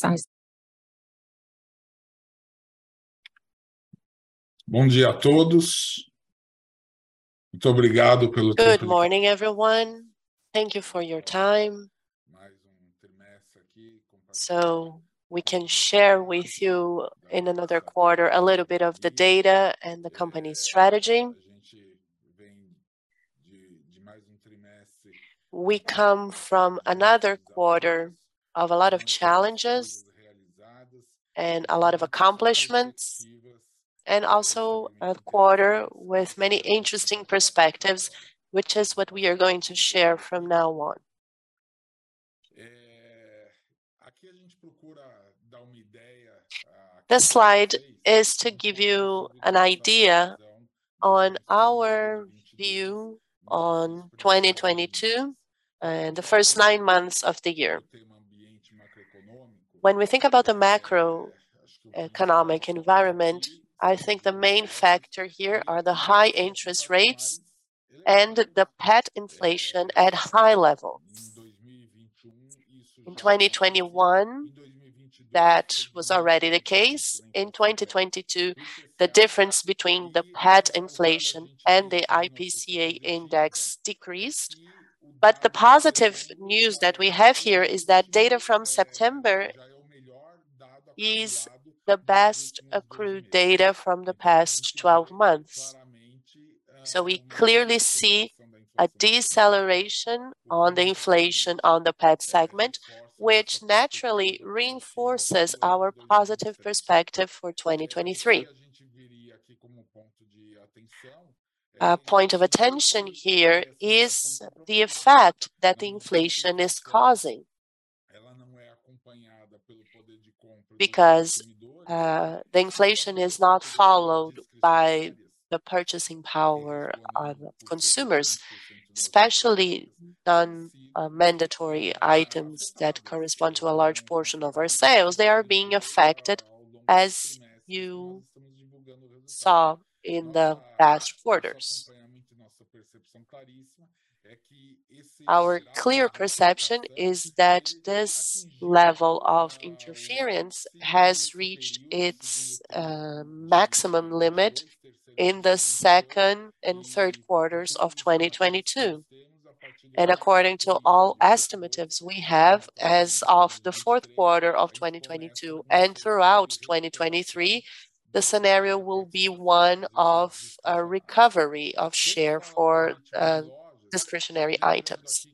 Good morning, everyone. Thank you for your time, so we can share with you in another quarter a little bit of the data and the company strategy. We come from another quarter of a lot of challenges and a lot of accomplishments, and also a quarter with many interesting perspectives, which is what we are going to share from now on. This slide is to give you an idea on our view on 2022, the first nine months of the year. When we think about the macroeconomic environment, I think the main factor here are the high interest rates and the pet inflation at high levels. In 2021, that was already the case. In 2022, the difference between the pet inflation and the IPCA index decreased. The positive news that we have here is that data from September is the best accrued data from the past 12 months. We clearly see a deceleration on the inflation on the pet segment, which naturally reinforces our positive perspective for 2023. A point of attention here is the effect that the inflation is causing because the inflation is not followed by the purchasing power on consumers, especially non-mandatory items that correspond to a large portion of our sales. They are being affected, as you saw in the past quarters. Our clear perception is that this level of interference has reached its maximum limit in the second and third quarters of 2022. According to all estimates we have as of the fourth quarter of 2022 and throughout 2023, the scenario will be one of a recovery of share for discretionary items.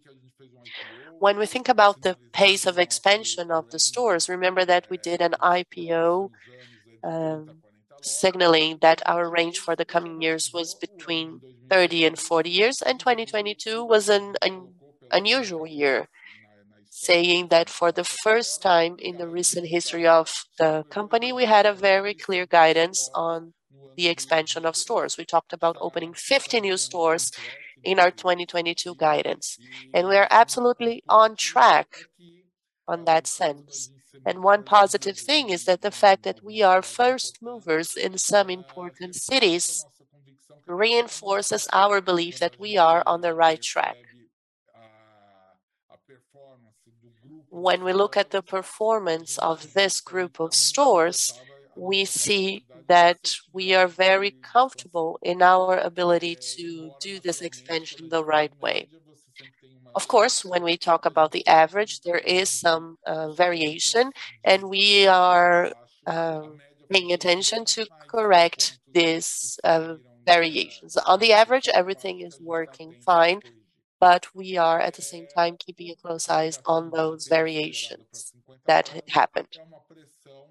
When we think about the pace of expansion of the stores, remember that we did an IPO, signaling that our range for the coming years was between 30 and 40 years, and 2022 was an unusual year. Saying that for the first time in the recent history of the company, we had a very clear guidance on the expansion of stores. We talked about opening 50 new stores in our 2022 guidance, and we are absolutely on track in that sense. One positive thing is that the fact that we are first movers in some important cities reinforces our belief that we are on the right track. When we look at the performance of this group of stores, we see that we are very comfortable in our ability to do this expansion the right way. Of course, when we talk about the average, there is some variation, and we are paying attention to correct this variations. On the average, everything is working fine, but we are at the same time keeping a close eye on those variations that happened.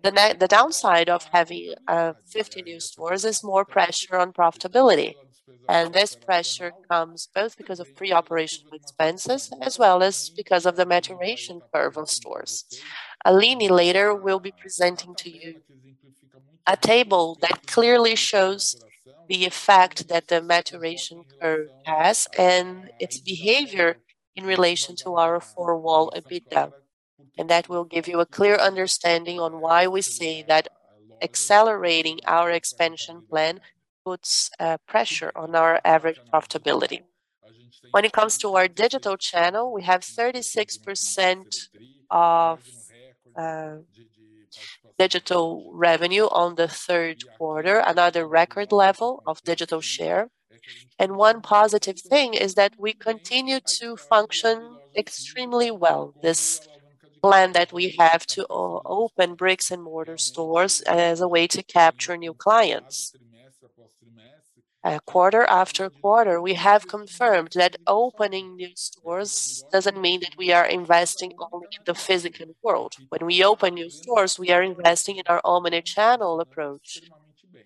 The downside of having 50 new stores is more pressure on profitability, and this pressure comes both because of pre-operation expenses as well as because of the maturation curve on stores. Aline later will be presenting to you a table that clearly shows the effect that the maturation curve has and its behavior in relation to our four-wall EBITDA, and that will give you a clear understanding on why we say that accelerating our expansion plan puts pressure on our average profitability. When it comes to our digital channel, we have 36% of digital revenue on the third quarter, another record level of digital share. One positive thing is that we continue to function extremely well. This plan that we have to open bricks and mortar stores as a way to capture new clients. Quarter after quarter, we have confirmed that opening new stores doesn't mean that we are investing only in the physical world. When we open new stores, we are investing in our omnichannel approach,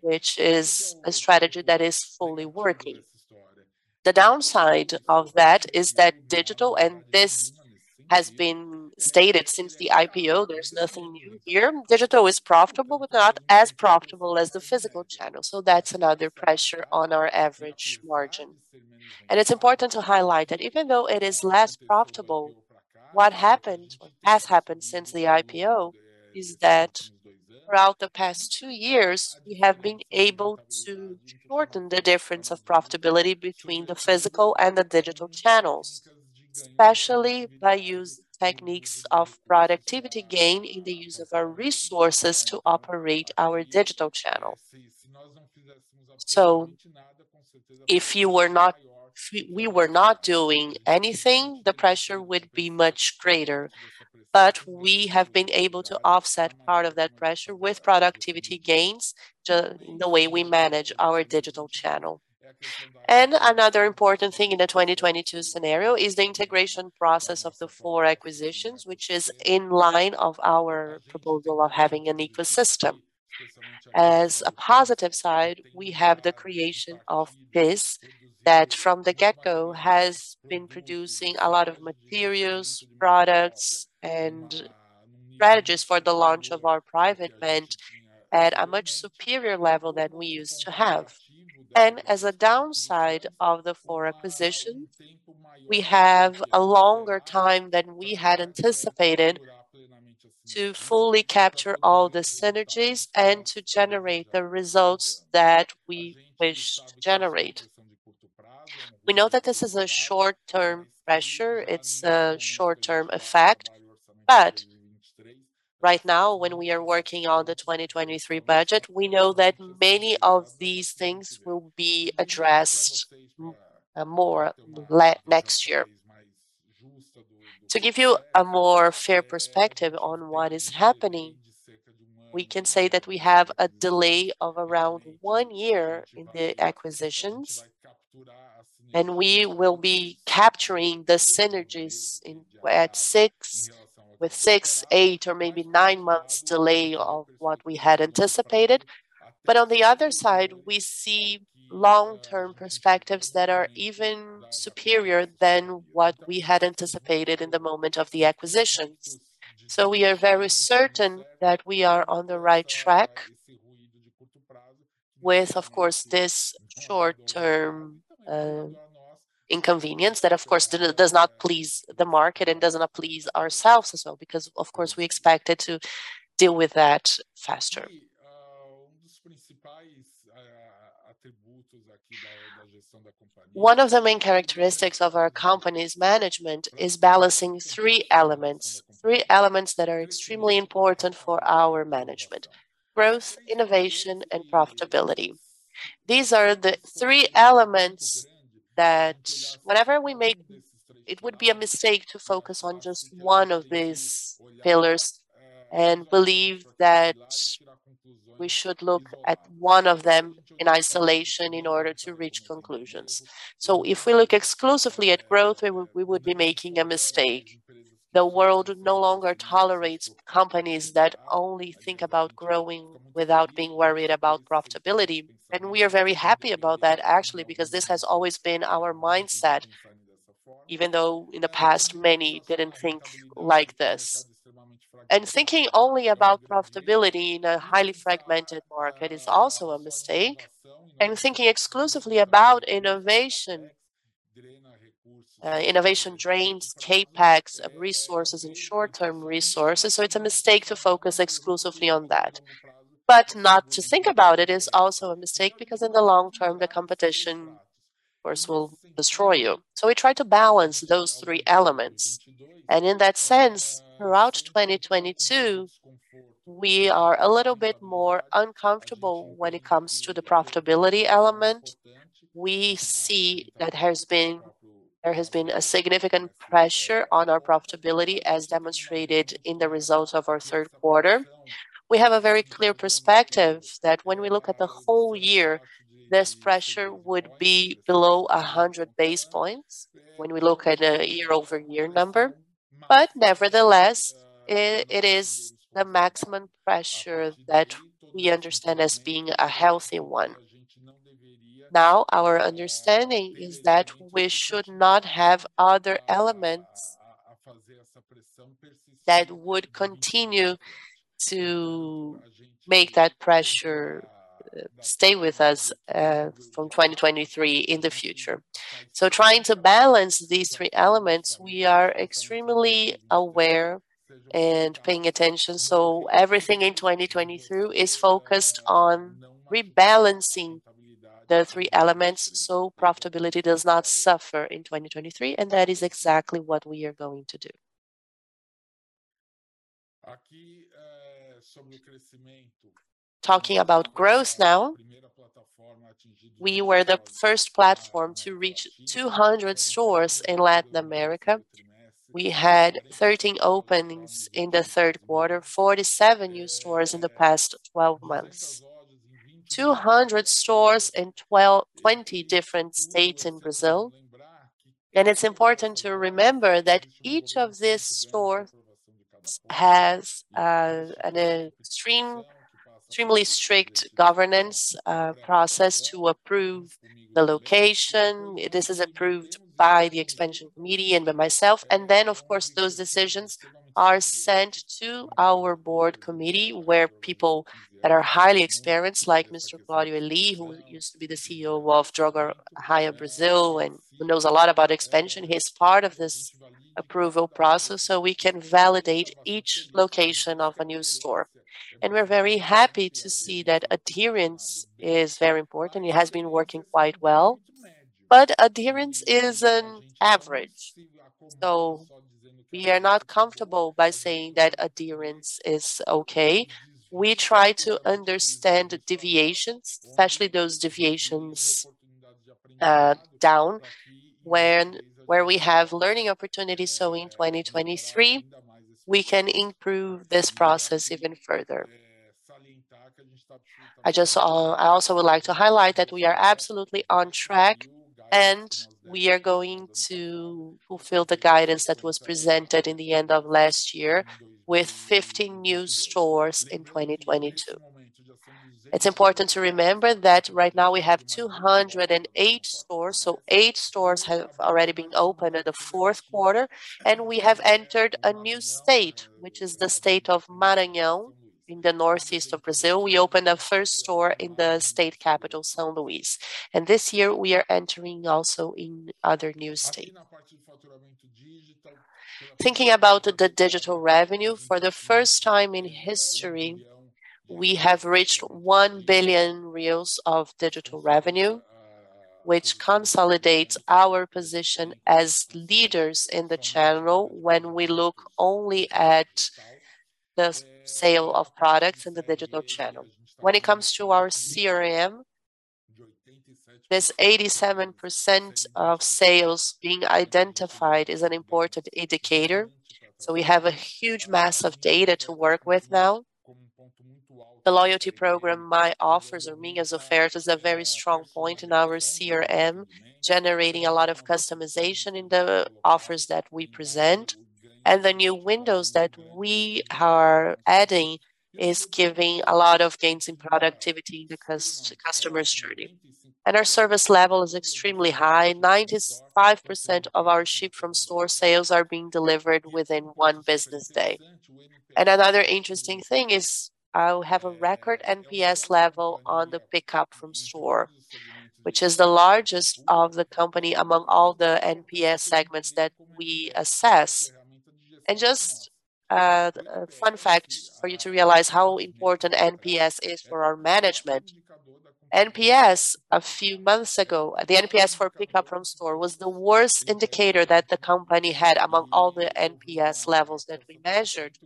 which is a strategy that is fully working. The downside of that is that digital, and this has been stated since the IPO, there's nothing new here. Digital is profitable, but not as profitable as the physical channel, so that's another pressure on our average margin. It's important to highlight that even though it is less profitable, what has happened since the IPO is that throughout the past two years, we have been able to shorten the difference of profitability between the physical and the digital channels, especially by using techniques of productivity gain in the use of our resources to operate our digital channel. If we were not doing anything, the pressure would be much greater. We have been able to offset part of that pressure with productivity gains the way we manage our digital channel. Another important thing in the 2022 scenario is the integration process of the four acquisitions, which is in line of our proposal of having an ecosystem. As a positive side, we have the creation of this, that from the get-go has been producing a lot of materials, products and strategies for the launch of our private brand at a much superior level than we used to have. As a downside of the four acquisitions, we have a longer time than we had anticipated to fully capture all the synergies and to generate the results that we wish to generate. We know that this is a short-term pressure, it's a short-term effect, but right now, when we are working on the 2023 budget, we know that many of these things will be addressed more next year. To give you a more fair perspective on what is happening, we can say that we have a delay of around one year in the acquisitions, and we will be capturing the synergies with six, eight or maybe nine months delay of what we had anticipated. On the other side, we see long-term perspectives that are even superior than what we had anticipated in the moment of the acquisitions. We are very certain that we are on the right track with, of course, this short-term inconvenience. That of course does not please the market and does not please ourselves as well because of course we expected to deal with that faster. One of the main characteristics of our company's management is balancing three elements. Three elements that are extremely important for our management. Growth, innovation and profitability. These are the three elements that whatever we make, it would be a mistake to focus on just one of these pillars and believe that we should look at one of them in isolation in order to reach conclusions. If we look exclusively at growth, we would be making a mistake. The world no longer tolerates companies that only think about growing without being worried about profitability, and we are very happy about that actually because this has always been our mindset, even though in the past many didn't think like this. Thinking only about profitability in a highly fragmented market is also a mistake. Thinking exclusively about innovation drains CapEx of resources and short-term resources, so it's a mistake to focus exclusively on that. Not to think about it is also a mistake because in the long term, the competition of course will destroy you. We try to balance those three elements. In that sense, throughout 2022, we are a little bit more uncomfortable when it comes to the profitability element. We see that there has been a significant pressure on our profitability, as demonstrated in the results of our third quarter. We have a very clear perspective that when we look at the whole year, this pressure would be below 100 basis points when we look at a year-over-year number. Nevertheless, it is the maximum pressure that we understand as being a healthy one. Now, our understanding is that we should not have other elements that would continue to make that pressure stay with us, from 2023 in the future. Trying to balance these three elements, we are extremely aware and paying attention, everything in 2022 is focused on rebalancing the three elements, so profitability does not suffer in 2023, and that is exactly what we are going to do. Talking about growth now, we were the first platform to reach 200 stores in Latin America. We had 13 openings in the third quarter, 47 new stores in the past 12 months. 200 stores in 20 different states in Brazil. It's important to remember that each of these stores has an extremely strict governance process to approve the location. This is approved by the expansion committee and by myself. Then of course, those decisions are sent to our board committee, where people that are highly experienced, like Mr. Claudio Leal, who used to be the CEO of Droga Raia Brazil and who knows a lot about expansion, he's part of this approval process so we can validate each location of a new store. We're very happy to see that adherence is very important. It has been working quite well. Adherence is an average, so we are not comfortable by saying that adherence is okay. We try to understand the deviations, especially those deviations down where we have learning opportunities. In 2023, we can improve this process even further. I just I also would like to highlight that we are absolutely on track, and we are going to fulfill the guidance that was presented in the end of last year with 50 new stores in 2022. It's important to remember that right now we have 208 stores. Eight stores have already been opened in the fourth quarter, and we have entered a new state, which is the state of Maranhão in the northeast of Brazil. We opened our first store in the state capital, São Luís. This year we are entering also in other new state. Thinking about the digital revenue, for the first time in history, we have reached 1 billion of digital revenue, which consolidates our position as leaders in the channel when we look only at the sale of products in the digital channel. When it comes to our CRM, this 87% of sales being identified is an important indicator, so we have a huge mass of data to work with now. The loyalty program, Minhas Ofertas, is a very strong point in our CRM, generating a lot of customization in the offers that we present. The new windows that we are adding is giving a lot of gains in productivity because the customer's journey. Our service level is extremely high. 95% of our Ship From Store sales are being delivered within one business day. Another interesting thing is I have a record NPS level on the Pickup From Store, which is the largest of the company among all the NPS segments that we assess. Just a fun fact for you to realize how important NPS is for our management. NPS a few months ago, the NPS for Pickup From Store was the worst indicator that the company had among all the NPS levels that we measured.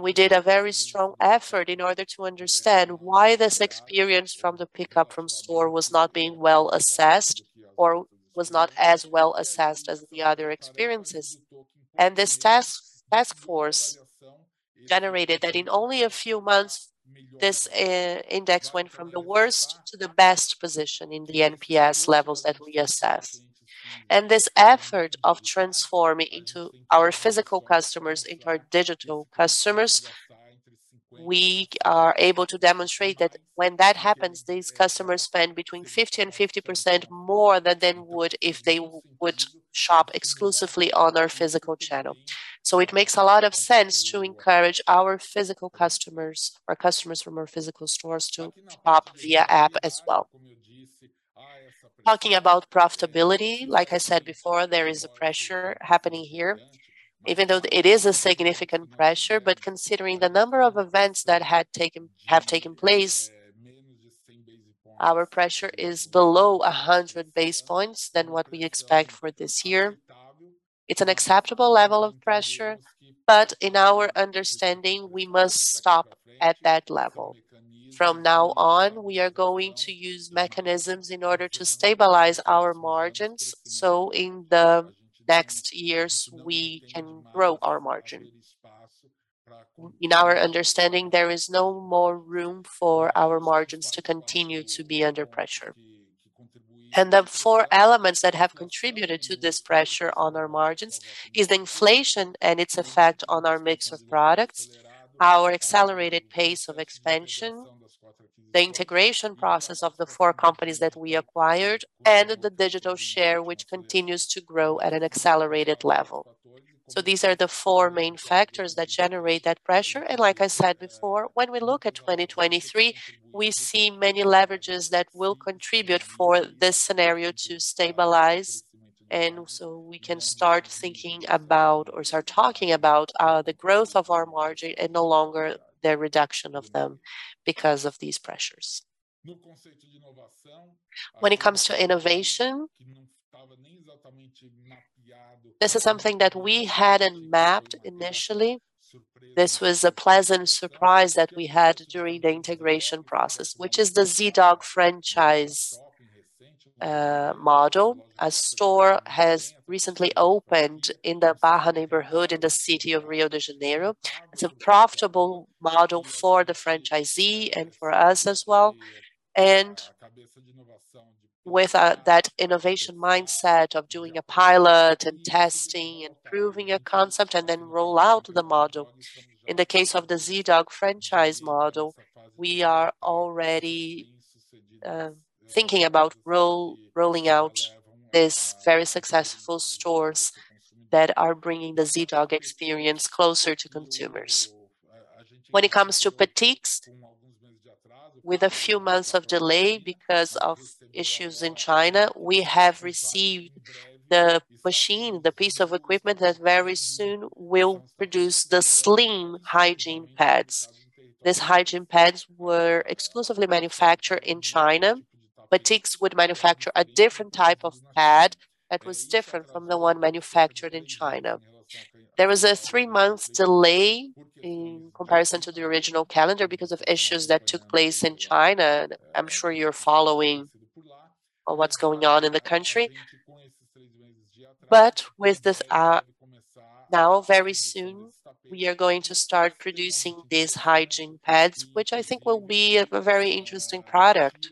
We did a very strong effort in order to understand why this experience from the Pickup From Store was not being well assessed or was not as well assessed as the other experiences. This task force generated that in only a few months, this index went from the worst to the best position in the NPS levels that we assess. This effort of transforming our physical customers into our digital customers, we are able to demonstrate that when that happens, these customers spend between 50 and 50% more than they would if they would shop exclusively on our physical channel. It makes a lot of sense to encourage our physical customers or customers from our physical stores to shop via app as well. Talking about profitability, like I said before, there is a pressure happening here, even though it is a significant pressure. Considering the number of events that have taken place, our pressure is below 100 basis points than what we expect for this year. It's an acceptable level of pressure, but in our understanding, we must stop at that level. From now on, we are going to use mechanisms in order to stabilize our margins, so in the next years, we can grow our margin. In our understanding, there is no more room for our margins to continue to be under pressure. The four elements that have contributed to this pressure on our margins is inflation and its effect on our mix of products, our accelerated pace of expansion, the integration process of the four companies that we acquired, and the digital share, which continues to grow at an accelerated level. These are the four main factors that generate that pressure. Like I said before, when we look at 2023, we see many leverages that will contribute for this scenario to stabilize. We can start thinking about or start talking about the growth of our margin and no longer the reduction of them because of these pressures. When it comes to innovation, this is something that we hadn't mapped initially. This was a pleasant surprise that we had during the integration process, which is the Zee.Dog franchise model. A store has recently opened in the Barra neighborhood in the city of Rio de Janeiro. It's a profitable model for the franchisee and for us as well. With that innovation mindset of doing a pilot and testing and proving a concept and then roll out the model. In the case of the Zee.Dog franchise model, we are already thinking about rolling out these very successful stores that are bringing the Zee.Dog experience closer to consumers. When it comes to Petix with a few months of delay because of issues in China, we have received the machine, the piece of equipment that very soon will produce the slim hygiene pads. These hygiene pads were exclusively manufactured in China, but Petix would manufacture a different type of pad that was different from the one manufactured in China. There was a three-month delay in comparison to the original calendar because of issues that took place in China. I'm sure you're following on what's going on in the country. With this, now, very soon, we are going to start producing these hygiene pads, which I think will be a very interesting product,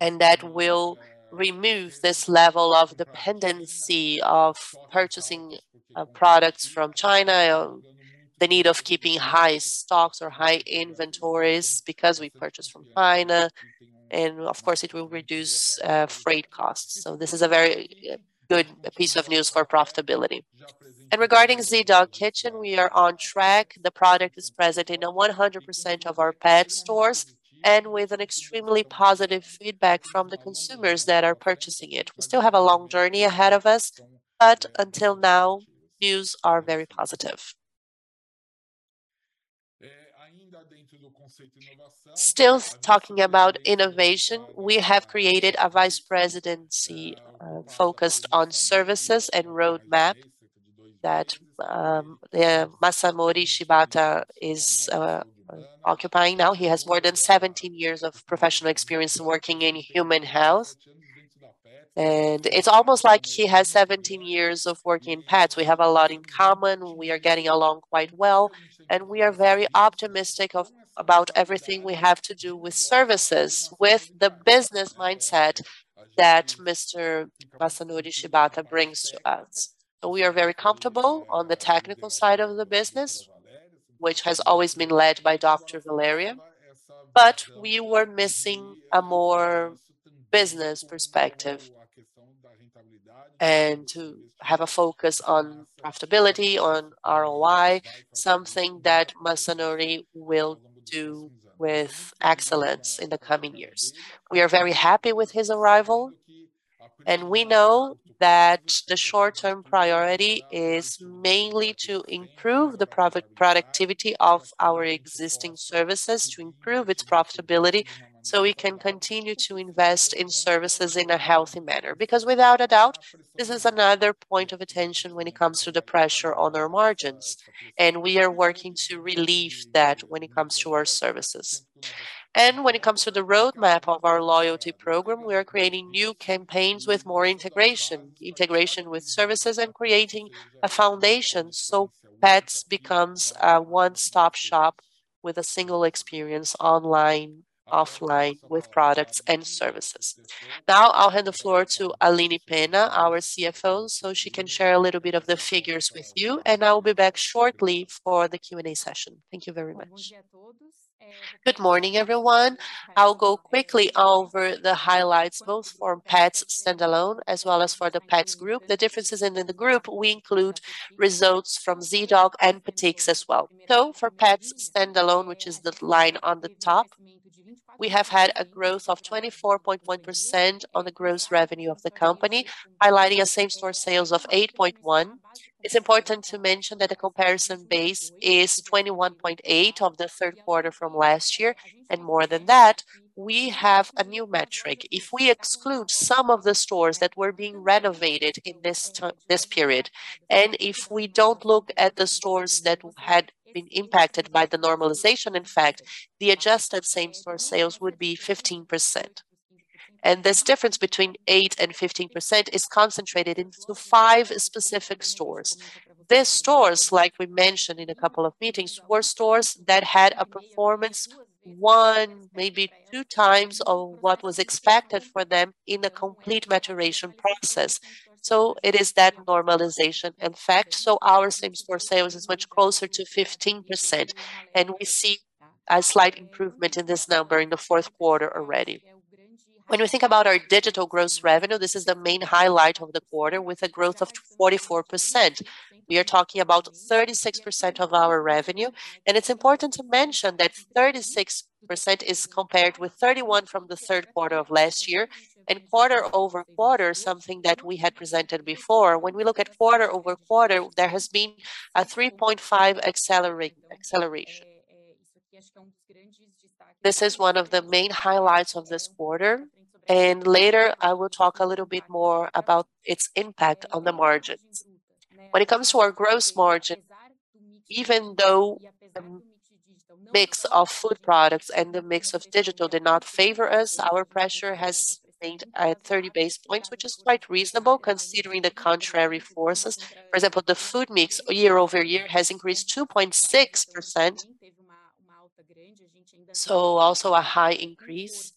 and that will remove this level of dependency of purchasing products from China or the need of keeping high stocks or high inventories because we purchase from China, and of course, it will reduce freight costs. This is a very good piece of news for profitability. Regarding Zee.Dog Kitchen, we are on track. The product is present in 100% of our pet stores and with an extremely positive feedback from the consumers that are purchasing it. We still have a long journey ahead of us, but until now, views are very positive. Still talking about innovation, we have created a vice presidency focused on services and roadmap that Masanori Shibata is occupying now. He has more than 17 years of professional experience working in human health, and it's almost like he has 17 years of working in pets. We have a lot in common. We are getting along quite well, and we are very optimistic about everything we have to do with services, with the business mindset that Mr. Masanori Shibata brings to us. We are very comfortable on the technical side of the business, which has always been led by Dr. Valeria, but we were missing a more business perspective and to have a focus on profitability, on ROI, something that Masanori will do with excellence in the coming years. We are very happy with his arrival, and we know that the short-term priority is mainly to improve the productivity of our existing services, to improve its profitability, so we can continue to invest in services in a healthy manner. Because without a doubt, this is another point of attention when it comes to the pressure on our margins, and we are working to relieve that when it comes to our services. When it comes to the roadmap of our loyalty program, we are creating new campaigns with more integration with services and creating a foundation so Petz becomes a one-stop shop with a single experience online, offline with products and services. Now, I'll hand the floor to Aline Penna, our CFO, so she can share a little bit of the figures with you, and I'll be back shortly for the Q&A session. Thank you very much. Good morning, everyone. I'll go quickly over the highlights, both for Petz standalone as well as for the Petz Group. The differences in the group, we include results from Zee.Dog and Petix as well. For Petz standalone, which is the line on the top, we have had a growth of 24.1% on the gross revenue of the company, highlighting a same-store sales of 8.1. It's important to mention that the comparison base is 21.8% of the third quarter from last year. More than that, we have a new metric. If we exclude some of the stores that were being renovated in this period, and if we don't look at the stores that had been impacted by the normalization effect, the adjusted same-store sales would be 15%. This difference between 8% and 15% is concentrated into 5 specific stores. These stores, like we mentioned in a couple of meetings, were stores that had a performance 1, maybe 2 times of what was expected for them in a complete maturation process. It is that normalization effect. Our same-store sales is much closer to 15%, and we see a slight improvement in this number in the fourth quarter already. When we think about our digital gross revenue, this is the main highlight of the quarter with a growth of 44%. We are talking about 36% of our revenue. It's important to mention that 36% is compared with 31% from the third quarter of last year. Quarter-over-quarter, something that we had presented before. When we look at quarter-over-quarter, there has been a 3.5 acceleration. This is one of the main highlights of this quarter, and later I will talk a little bit more about its impact on the margins. When it comes to our gross margin, even though the mix of food products and the mix of digital did not favor us, our pressure has remained at 30 basis points, which is quite reasonable considering the contrary forces. For example, the food mix year-over-year has increased 2.6%, so also a high increase.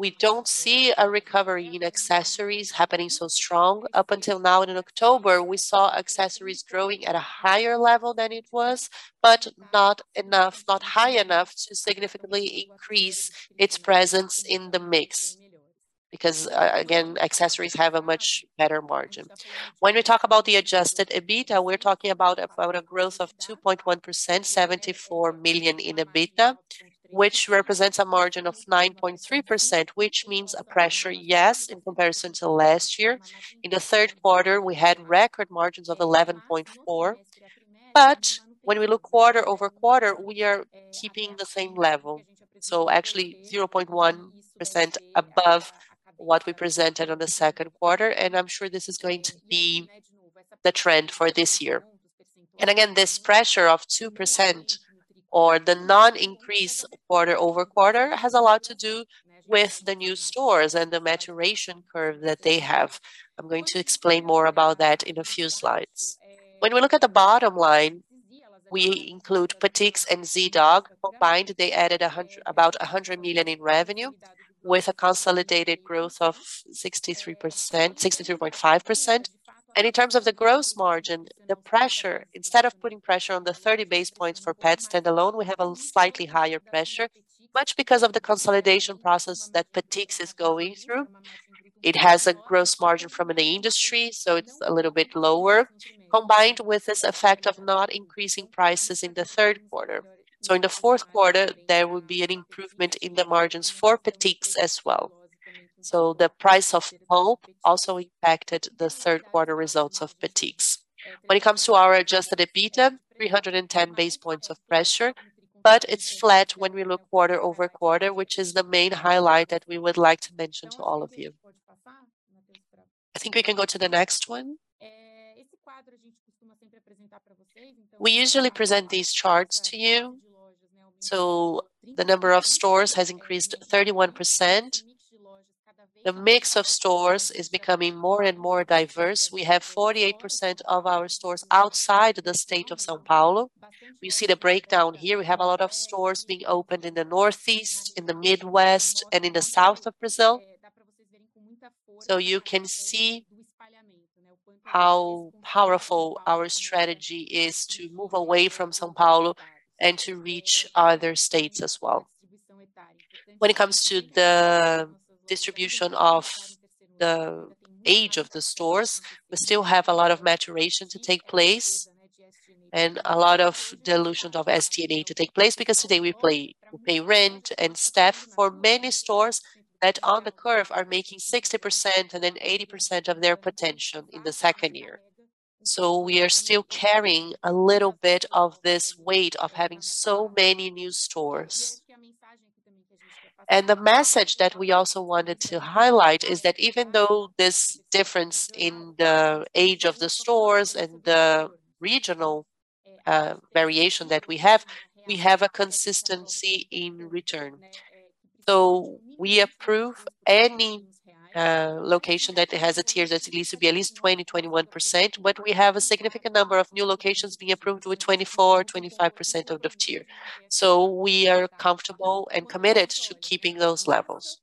We don't see a recovery in accessories happening so strong. Up until now in October, we saw accessories growing at a higher level than it was, but not enough, not high enough to significantly increase its presence in the mix. Again, accessories have a much better margin. When we talk about the adjusted EBITDA, we're talking about a growth of 2.1%, 74 million in EBITDA, which represents a margin of 9.3%, which means a pressure, yes, in comparison to last year. In the third quarter, we had record margins of 11.4%. When we look quarter-over-quarter, we are keeping the same level. Actually 0.1% above what we presented on the second quarter, and I'm sure this is going to be the trend for this year. Again, this pressure of 2% or the non-increase quarter-over-quarter has a lot to do with the new stores and the maturation curve that they have. I'm going to explain more about that in a few slides. When we look at the bottom line, we include Petix and Zee.Dog. Combined, they added about 100 million in revenue with a consolidated growth of 63.5%. In terms of the gross margin, the pressure, instead of putting pressure on the 30 basis points for Petz stand-alone, we have a slightly higher pressure, much because of the consolidation process that Petix is going through. It has a gross margin from an industry, so it's a little bit lower. Combined with this effect of not increasing prices in the third quarter. In the fourth quarter, there will be an improvement in the margins for Petix as well. The price of pulp also impacted the third quarter results of Petix. When it comes to our adjusted EBITDA, 310 basis points of pressure, but it's flat when we look quarter-over-quarter, which is the main highlight that we would like to mention to all of you. I think we can go to the next one. We usually present these charts to you. The number of stores has increased 31%. The mix of stores is becoming more and more diverse. We have 48% of our stores outside the state of São Paulo. We see the breakdown here. We have a lot of stores being opened in the Northeast, in the Midwest and in the South of Brazil. So you can see how powerful our strategy is to move away from São Paulo and to reach other states as well. When it comes to the distribution of the age of the stores, we still have a lot of maturation to take place and a lot of dilutions of SG&A to take place, because today we pay rent and staff for many stores that on the curve are making 60% and then 80% of their potential in the second year. We are still carrying a little bit of this weight of having so many new stores. The message that we also wanted to highlight is that even though this difference in the age of the stores and the regional variation that we have, we have a consistency in return. We approve any location that has a TIR that needs to be at least 20%-21%, but we have a significant number of new locations being approved with 24%-25% TIR. We are comfortable and committed to keeping those levels.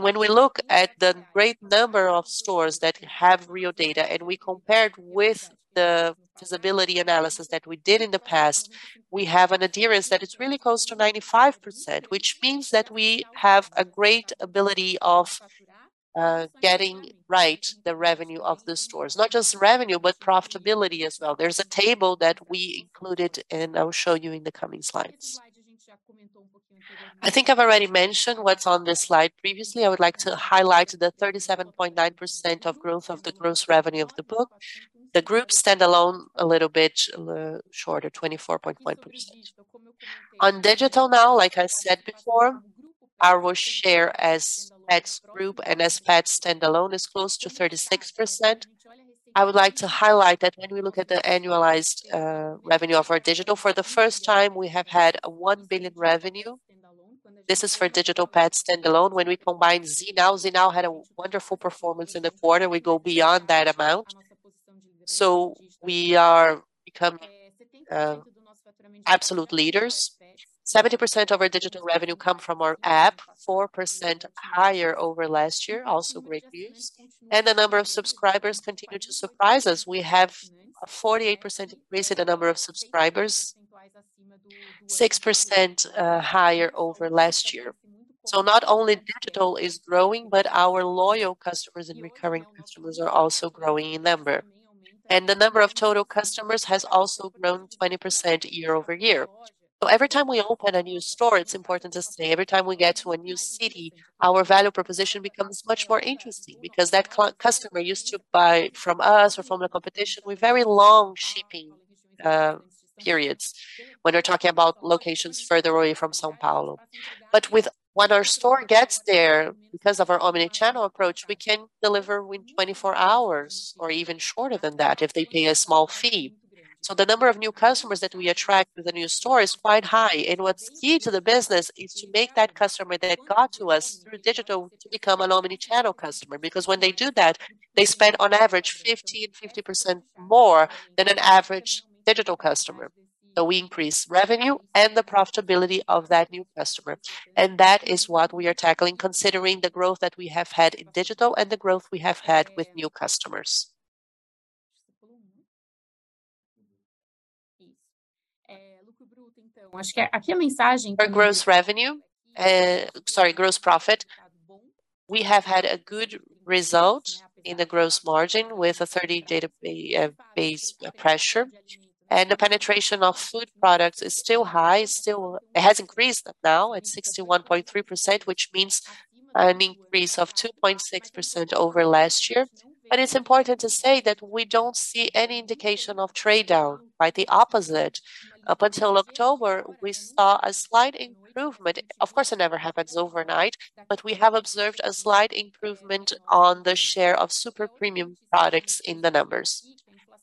When we look at the great number of stores that have real data, and we compared with the feasibility analysis that we did in the past, we have an adherence that is really close to 95%, which means that we have a great ability of getting right the revenue of the stores. Not just revenue, but profitability as well. There's a table that we included, and I will show you in the coming slides. I think I've already mentioned what's on this slide previously. I would like to highlight the 37.9% of growth of the gross revenue of the Petz. The Petz Group standalone a little bit shorter, 24.1%. On digital now, like I said before, our share as Petz Group and as Petz standalone is close to 36%. I would like to highlight that when we look at the annualized revenue of our digital, for the first time, we have had a 1 billion revenue. This is for digital Petz stand-alone. When we combine Zee.Now, Zee.Now had a wonderful performance in the quarter. We go beyond that amount. We are become absolute leaders. 70% of our digital revenue come from our app, 4% higher over last year, also great news. The number of subscribers continue to surprise us. We have a 48% increase in the number of subscribers, 6% higher over last year. Not only digital is growing, but our loyal customers and recurring customers are also growing in number. The number of total customers has also grown 20% year-over-year. Every time we open a new store, it's important to say every time we get to a new city, our value proposition becomes much more interesting because that customer used to buy from us or from the competition with very long shipping periods when we're talking about locations further away from São Paulo. When our store gets there, because of our omnichannel approach, we can deliver within 24 hours or even shorter than that if they pay a small fee. The number of new customers that we attract with a new store is quite high. What's key to the business is to make that customer that got to us through digital to become an omnichannel customer, because when they do that, they spend on average 50% more than an average digital customer. We increase revenue and the profitability of that new customer. That is what we are tackling, considering the growth that we have had in digital and the growth we have had with new customers. Our gross profit, we have had a good result in the gross margin with 30 basis points pressure, and the penetration of food products is still high. Still, it has increased now at 61.3%, which means an increase of 2.6% over last year. It's important to say that we don't see any indication of trade down, right? The opposite. Up until October, we saw a slight improvement. Of course, it never happens overnight, but we have observed a slight improvement on the share of super-premium products in the numbers.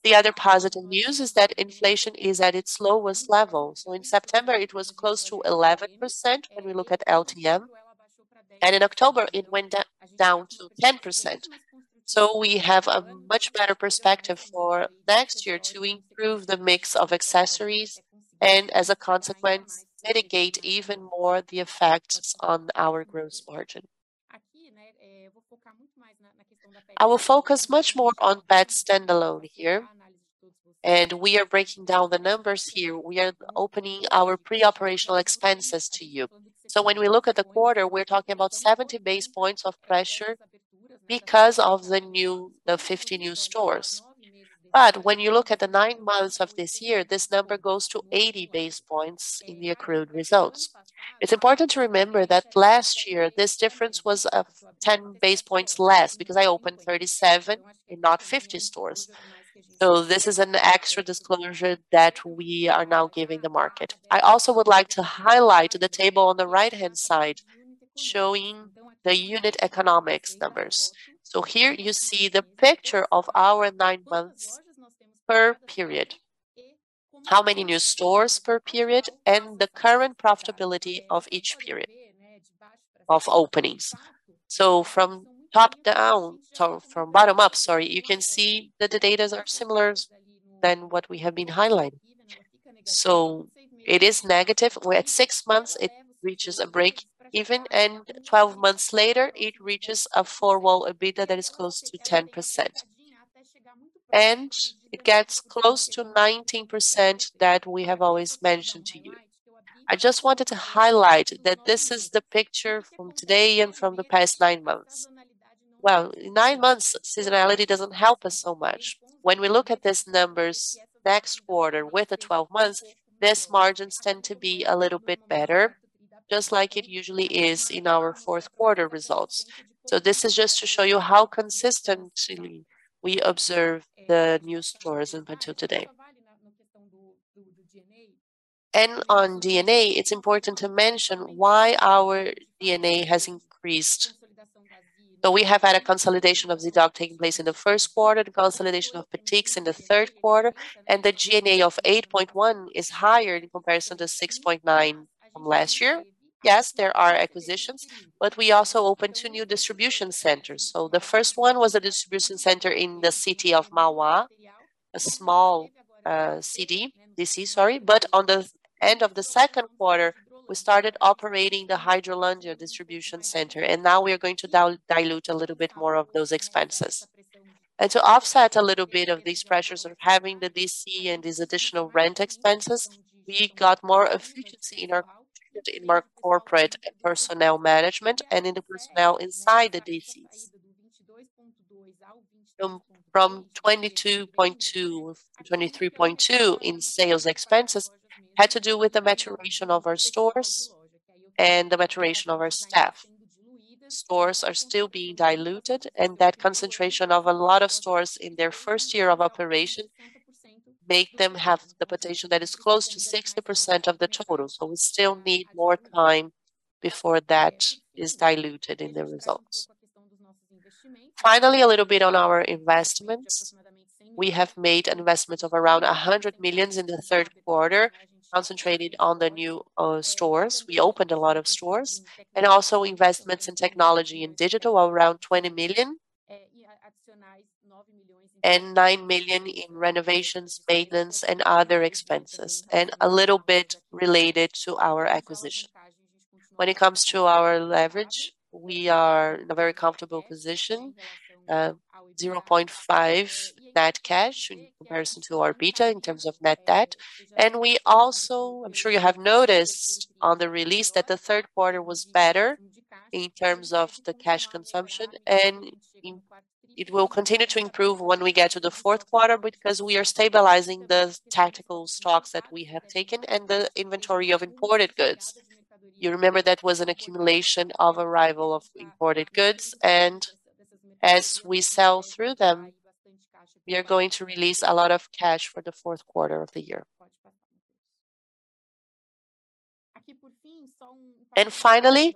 The other positive news is that inflation is at its lowest level. In September, it was close to 11% when we look at LTM, and in October, it went down to 10%. We have a much better perspective for next year to improve the mix of accessories and, as a consequence, mitigate even more the effects on our gross margin. I will focus much more on that stand-alone here. We are breaking down the numbers here. We are opening our pre-operational expenses to you. When we look at the quarter, we're talking about 70 basis points of pressure because of the 50 new stores. When you look at the nine months of this year, this number goes to 80 basis points in the accrued results. It's important to remember that last year, this difference was of 10 basis points less because I opened 37 and not 50 stores. This is an extra disclosure that we are now giving the market. I also would like to highlight the table on the right-hand side showing the unit economics numbers. Here you see the picture of our nine months per period, how many new stores per period, and the current profitability of each period of openings. From bottom up, sorry, you can see that the data are similar than what we have been highlighting. It is negative. We're at six months, it reaches a breakeven, and 12 months later, it reaches a four-wall EBITDA that is close to 10%. It gets close to 19% that we have always mentioned to you. I just wanted to highlight that this is the picture from today and from the past nine months. Well, nine months seasonality doesn't help us so much. When we look at these numbers next quarter with the 12 months, these margins tend to be a little bit better, just like it usually is in our fourth quarter results. This is just to show you how consistently we observe the new stores until today. On G&A, it's important to mention why our G&A has increased. We have had a consolidation of Zee.Dog taking place in the first quarter, the consolidation of Petix in the third quarter, and the G&A of 8.1% is higher in comparison to 6.9% from last year. Yes, there are acquisitions, but we also opened two new distribution centers. The first one was a distribution center in the city of Mauá, a small city. DC, sorry. At the end of the second quarter, we started operating the Hidrolândia distribution center, and now we are going to dilute a little bit more of those expenses. To offset a little bit of these pressures of having the DC and these additional rent expenses, we got more efficiency in our corporate and personnel management and in the personnel inside the DCs. From 22.2% - 23.2% in sales expenses had to do with the maturation of our stores and the maturation of our staff. Stores are still being diluted, and that concentration of a lot of stores in their first year of operation make them have the potential that is close to 60% of the total. We still need more time before that is diluted in the results. Finally, a little bit on our investments. We have made investments of around 100 million in the third quarter, concentrated on the new stores. We opened a lot of stores. Also investments in technology and digital are around 20 million. Nine million in renovations, maintenance, and other expenses, and a little bit related to our acquisition. When it comes to our leverage, we are in a very comfortable position, 0.5 net cash in comparison to our EBITDA in terms of net debt. We also, I'm sure you have noticed on the release that the third quarter was better in terms of the cash consumption, and it will continue to improve when we get to the fourth quarter because we are stabilizing the tactical stocks that we have taken and the inventory of imported goods. You remember that was an accumulation of arrival of imported goods, and as we sell through them, we are going to release a lot of cash for the fourth quarter of the year. Finally,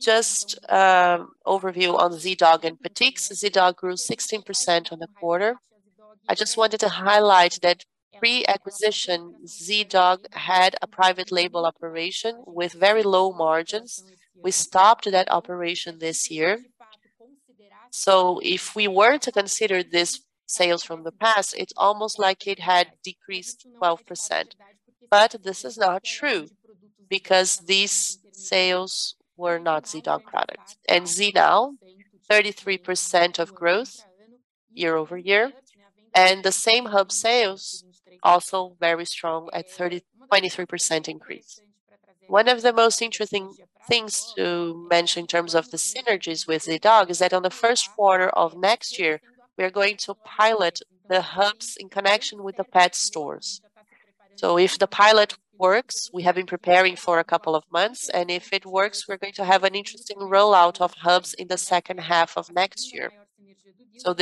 just overview on Zee.Dog and Petix. Zee.Dog grew 16% on the quarter. I just wanted to highlight that pre-acquisition Zee.Dog had a private label operation with very low margins. We stopped that operation this year. If we were to consider these sales from the past, it's almost like it had decreased 12%. This is not true because these sales were not Zee.Dog products. Zee.Dog 33% year-over-year growth. The same hub sales also very strong at 23% increase. One of the most interesting things to mention in terms of the synergies with Zee.Dog is that on the first quarter of next year, we are going to pilot the hubs in connection with the pet stores. If the pilot works, we have been preparing for a couple of months, and if it works, we're going to have an interesting rollout of hubs in the second half of next year.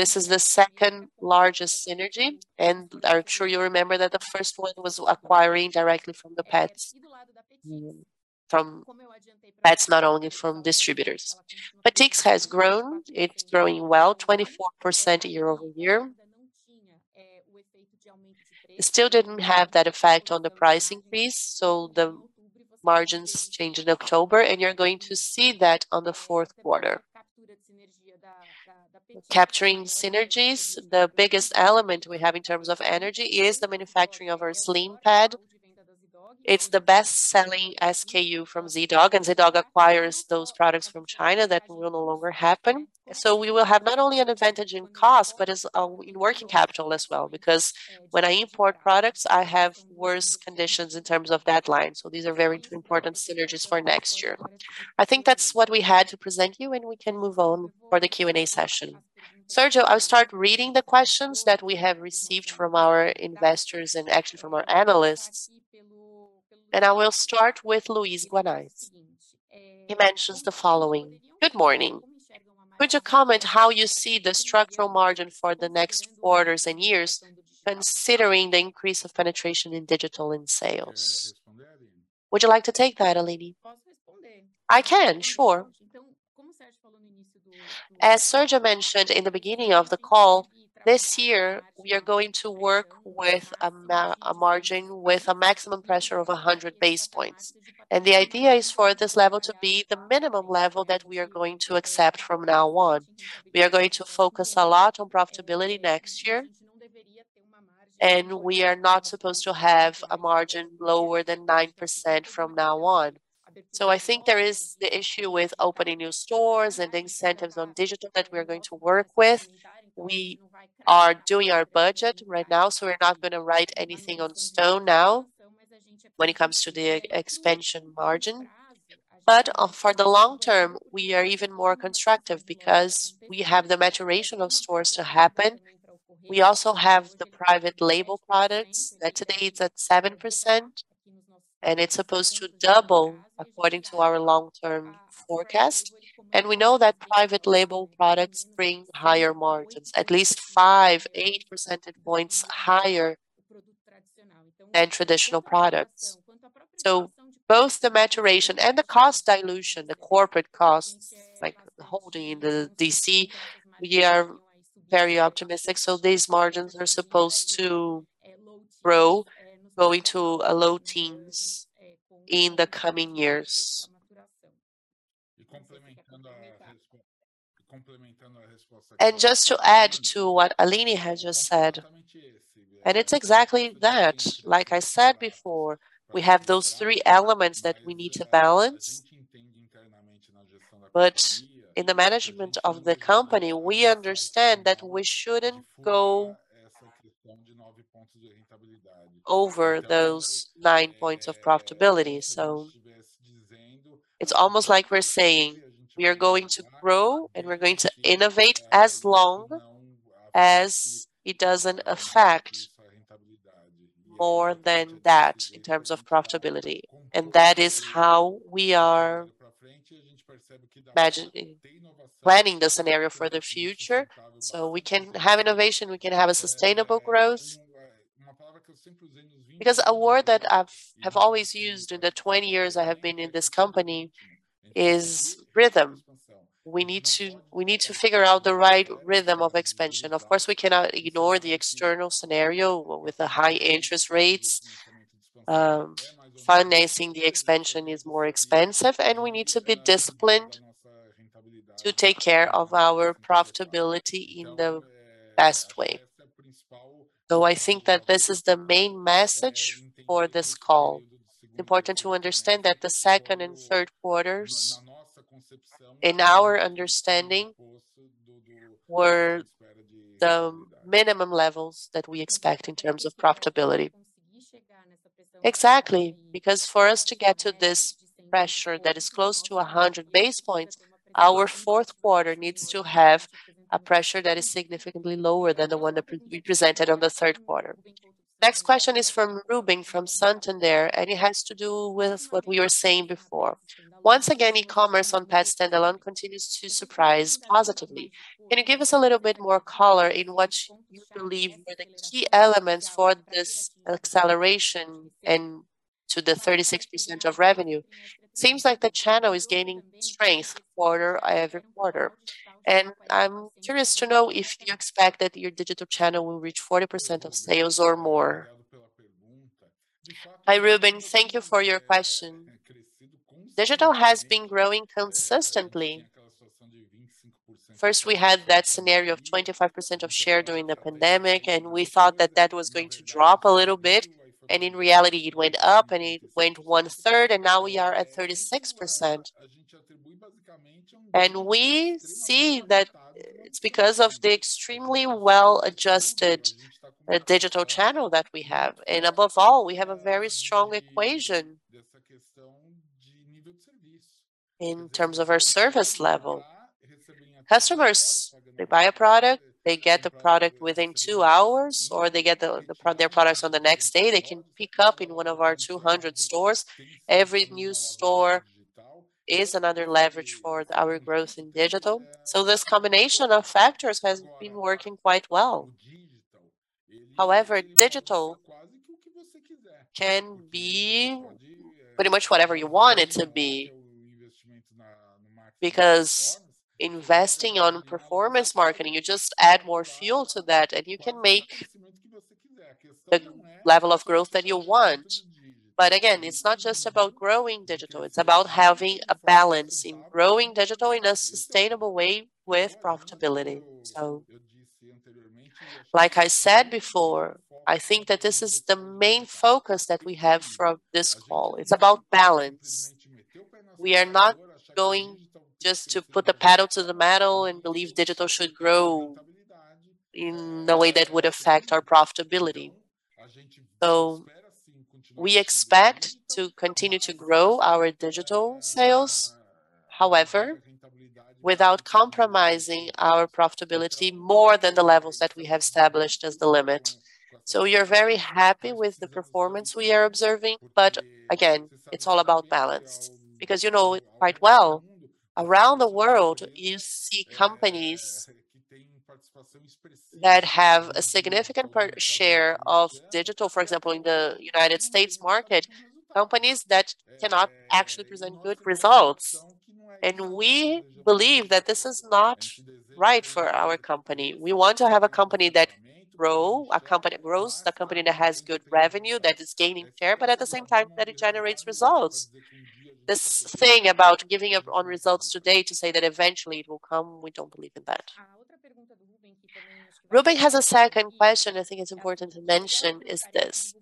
This is the second-largest synergy, and I'm sure you remember that the first one was acquiring directly from the Petz. From Petz, not only from distributors. Petix has grown. It's growing well, 24% year over year. It still didn't have that effect on the price increase, so the margins change in October, and you're going to see that on the fourth quarter. Capturing synergies, the biggest element we have in terms of energy is the manufacturing of our Slim Pad. It's the best-selling SKU from Zee.Dog, and Zee.Dog acquires those products from China. That will no longer happen. We will have not only an advantage in cost, but in working capital as well. Because when I import products, I have worse conditions in terms of deadlines. These are very important synergies for next year. I think that's what we had to present you, and we can move on for the Q&A session. Sergio, I'll start reading the questions that we have received from our investors and actually from our analysts, and I will start with Luiz Guanais. He mentions the following: "Good morning. Would you comment how you see the structural margin for the next quarters and years considering the increase of penetration in digital and sales?" Would you like to take that, Aline?I can, sure. As Sergio mentioned in the beginning of the call, this year we are going to work with a margin with a maximum pressure of 100 basis points, and the idea is for this level to be the minimum level that we are going to accept from now on. We are going to focus a lot on profitability next year, and we are not supposed to have a margin lower than 9% from now on. I think there is the issue with opening new stores and the incentives on digital that we are going to work with. We are doing our budget right now, so we're not gonna write anything in stone now when it comes to the expansion margin. For the long term, we are even more constructive because we have the maturation of stores to happen. We also have the private label products that today it's at 7%, and it's supposed to double according to our long-term forecast. We know that private label products bring higher margins, at least 5 percentage points-8 percentage points higher than traditional products. Both the maturation and the cost dilution, the corporate costs like holding the DC, we are very optimistic. These margins are supposed to grow, going to low teens in the coming years. Just to add to what Aline has just said, and it's exactly that. Like I said before, we have those three elements that we need to balance. In the management of the company, we understand that we shouldn't go over those 9% profitability. It's almost like we're saying we are going to grow and we're going to innovate as long as it doesn't affect more than that in terms of profitability, and that is how we are planning the scenario for the future. We can have innovation, we can have a sustainable growth. Because a word that I've always used in the 20 years I have been in this company is rhythm. We need to figure out the right rhythm of expansion. Of course, we cannot ignore the external scenario with the high interest rates. Financing the expansion is more expensive, and we need to be disciplined to take care of our profitability in the best way. I think that this is the main message for this call. Important to understand that the second and third quarters, in our understanding, were the minimum levels that we expect in terms of profitability. Exactly, because for us to get to this pressure that is close to 100 basis points, our fourth quarter needs to have a pressure that is significantly lower than the one that we presented on the third quarter. Next question is from Ruben, from Santander, and it has to do with what we were saying before. Once again, e-commerce on Petz standalone continues to surprise positively. Can you give us a little bit more color in what you believe were the key elements for this acceleration and to the 36% of revenue? It seems like the channel is gaining strength quarter-over-quarter. I'm curious to know if you expect that your digital channel will reach 40% of sales or more. Hi, Ruben. Thank you for your question. Digital has been growing consistently. First, we had that scenario of 25% of share during the pandemic, and we thought that that was going to drop a little bit, and in reality it went up and it went 1/3, and now we are at 36%. We see that it's because of the extremely well-adjusted digital channel that we have. Above all, we have a very strong equation in terms of our service level. Customers, they buy a product, they get the product within two hours, or they get their products on the next day. They can pick up in one of our 200 stores. Every new store is another leverage for our growth in digital. This combination of factors has been working quite well. However, digital can be pretty much whatever you want it to be because investing in performance marketing, you just add more fuel to that, and you can make the level of growth that you want. Again, it's not just about growing digital, it's about having a balance in growing digital in a sustainable way with profitability. Like I said before, I think that this is the main focus that we have for this call. It's about balance. We are not going just to put the pedal to the metal and believe digital should grow in a way that would affect our profitability. We expect to continue to grow our digital sales, however, without compromising our profitability more than the levels that we have established as the limit. We're very happy with the performance we are observing. Again, it's all about balance because you know it quite well. Around the world, you see companies that have a significant share of digital, for example, in the United States market, companies that cannot actually present good results. We believe that this is not right for our company. We want to have a company that grows, a company that has good revenue, that is gaining share, but at the same time, that it generates results. This thing about giving up on results today to say that eventually it will come, we don't believe in that. Ruben has a second question I think it's important to mention is this.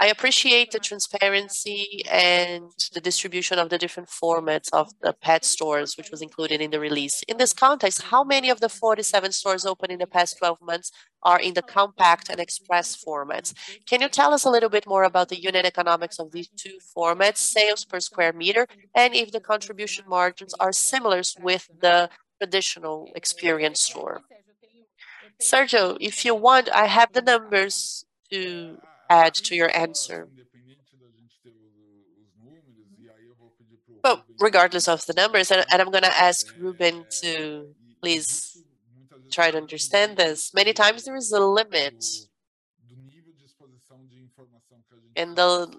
I appreciate the transparency and the distribution of the different formats of the pet stores, which was included in the release. In this context, how many of the 47 stores opened in the past 12 months are in the compact and express formats? Can you tell us a little bit more about the unit economics of these two formats, sales per square meter, and if the contribution margins are similar with the traditional experience store? Sergio, if you want, I have the numbers to add to your answer. But regardless of the numbers, and I'm gonna ask Ruben to please try to understand this. Many times there is a limit in the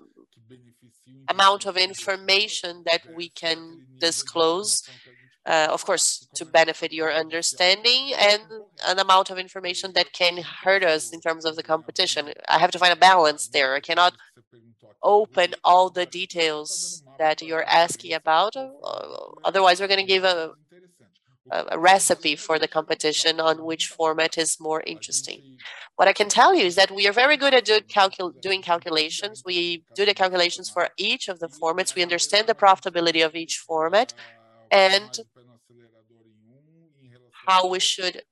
amount of information that we can disclose, of course, to benefit your understanding and an amount of information that can hurt us in terms of the competition. I have to find a balance there. I cannot open all the details that you're asking about. Otherwise, we're gonna give a recipe for the competition on which format is more interesting. What I can tell you is that we are very good at doing calculations. We do the calculations for each of the formats. We understand the profitability of each format and how we should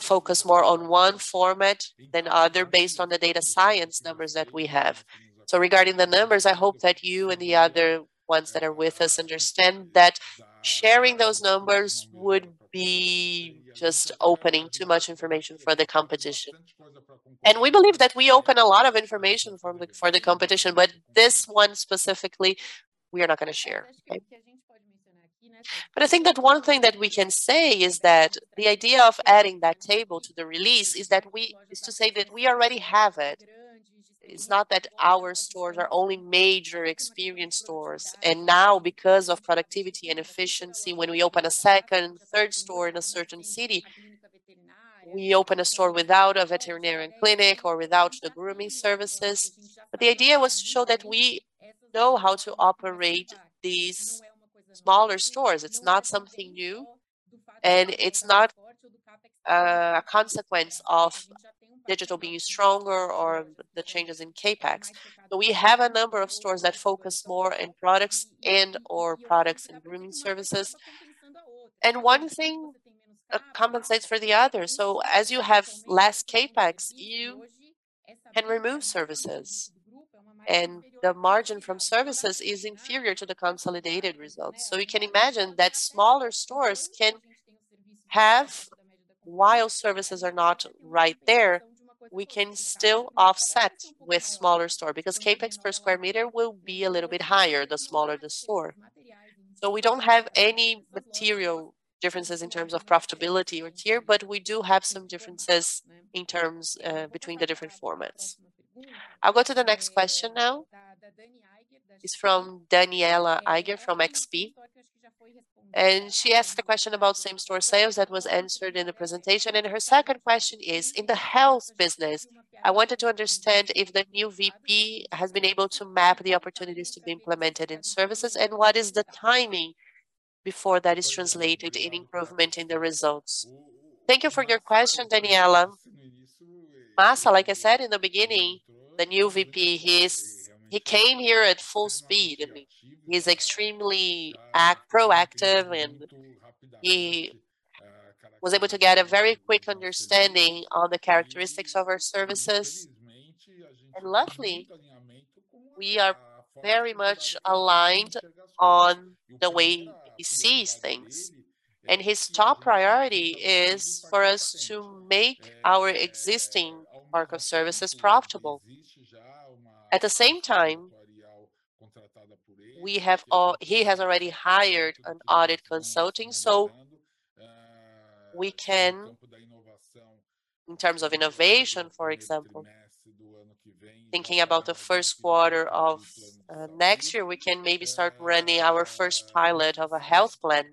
focus more on one format than other based on the data science numbers that we have. Regarding the numbers, I hope that you and the other ones that are with us understand that sharing those numbers would be just opening too much information for the competition. We believe that we open a lot of information for the competition, but this one specifically, we are not gonna share. Okay? I think that one thing that we can say is that the idea of adding that table to the release is to say that we already have it. It's not that our stores are only major experience stores. Now because of productivity and efficiency, when we open a second, third store in a certain city, we open a store without a veterinarian clinic or without the grooming services. The idea was to show that we know how to operate these smaller stores. It's not something new, and it's not a consequence of digital being stronger or the changes in CapEx. We have a number of stores that focus more in products and or products and grooming services. One thing compensates for the other. As you have less CapEx, you can remove services, and the margin from services is inferior to the consolidated results. You can imagine that smaller stores can have, while services are not right there, we can still offset with smaller store because CapEx per square meter will be a little bit higher the smaller the store. We don't have any material differences in terms of profitability or tier, but we do have some differences in terms between the different formats. I'll go to the next question now. It's from Daniela Eiger from XP, and she asked a question about same-store sales that was answered in the presentation. Her second question is: in the health business, I wanted to understand if the new VP has been able to map the opportunities to be implemented in services, and what is the timing before that is translated into improvement in the results? Thank you for your question, Daniela. Masa, like I said in the beginning, the new VP. He came here at full speed. He's extremely proactive, and he was able to get a very quick understanding on the characteristics of our services. Luckily, we are very much aligned on the way he sees things, and his top priority is for us to make our existing market services profitable. At the same time, he has already hired an audit consulting, so we can, in terms of innovation, for example, thinking about the first quarter of next year, we can maybe start running our first pilot of a health plan.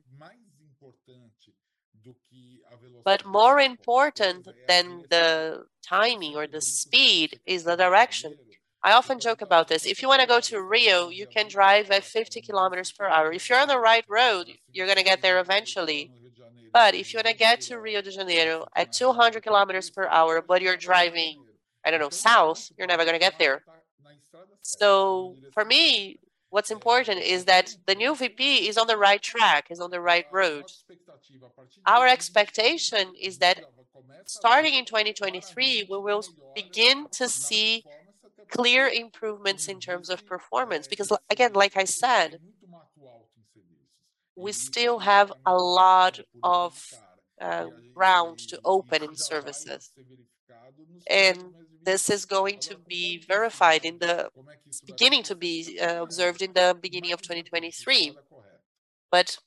More important than the timing or the speed is the direction. I often joke about this. If you wanna go to Rio, you can drive at 50 kilometers per hour. If you're on the right road, you're gonna get there eventually. If you wanna get to Rio de Janeiro at 200 kilometers per hour, but you're driving, I don't know, south, you're never gonna get there. For me, what's important is that the new VP is on the right track, is on the right road. Our expectation is that starting in 2023, we will begin to see clear improvements in terms of performance. Again, like I said, we still have a lot of ground to open in services, and this is going to be verified in the beginning to be observed in the beginning of 2023.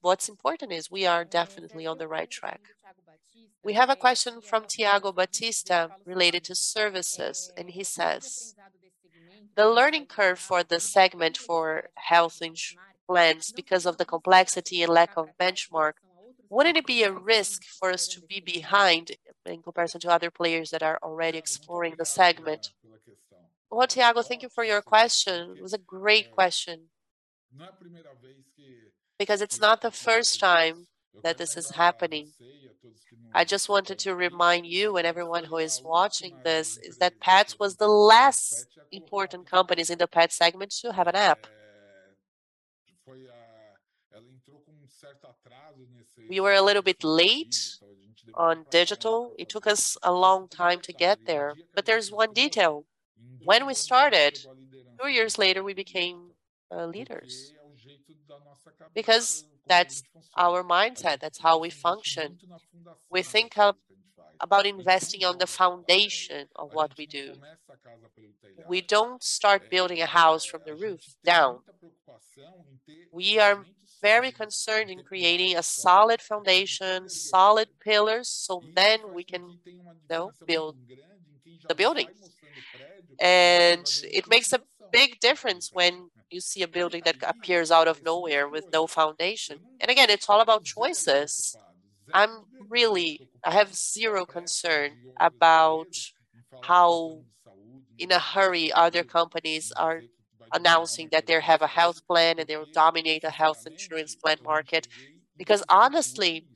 What's important is we are definitely on the right track. We have a question from Thiago Batista related to services, and he says, "The learning curve for this segment for health plans because of the complexity and lack of benchmark, wouldn't it be a risk for us to be behind in comparison to other players that are already exploring the segment?" Well, Thiago, thank you for your question. It was a great question. It's not the first time that this is happening. I just wanted to remind you and everyone who is watching this is that Petz was the last important companies in the pet segment to have an app. We were a little bit late on digital. It took us a long time to get there. There's one detail. When we started, two years later, we became leaders because that's our mindset. That's how we function. We think about investing on the foundation of what we do. We don't start building a house from the roof down. We are very concerned in creating a solid foundation, solid pillars, so then we can, you know, build the buildings. It makes a big difference when you see a building that appears out of nowhere with no foundation. Again, it's all about choices. I have zero concern about how in a hurry other companies are announcing that they have a health plan and they will dominate the health insurance plan market because honestly,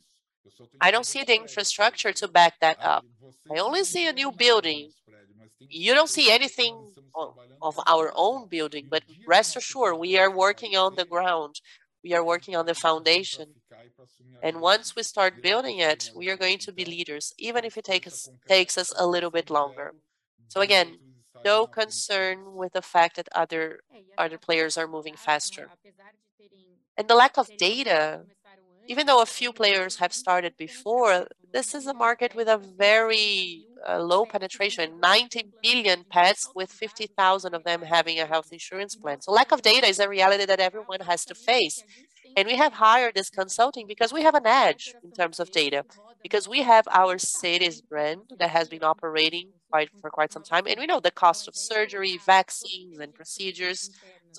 I don't see the infrastructure to back that up. I only see a new building. You don't see anything of our own building. Rest assured, we are working on the ground. We are working on the foundation. Once we start building it, we are going to be leaders, even if it takes us a little bit longer. Again, no concern with the fact that other players are moving faster. The lack of data, even though a few players have started before, this is a market with a very low penetration. 90 billion pets with 50,000 of them having a health insurance plan. Lack of data is a reality that everyone has to face, and we have hired this consulting because we have an edge in terms of data because we have our Seres brand that has been operating for quite some time, and we know the cost of surgery, vaccines, and procedures.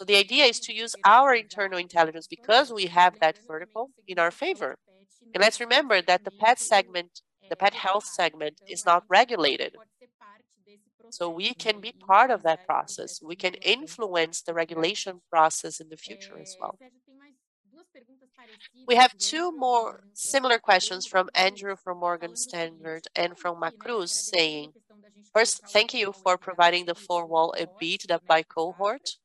The idea is to use our internal intelligence because we have that vertical in our favor. Let's remember that the pet segment, the pet health segment is not regulated, so we can be part of that process. We can influence the regulation process in the future as well. We have two more similar questions from Andrew from Morgan Stanley and from Macruz saying, "First, thank you for providing the four-wall EBITDA by cohort.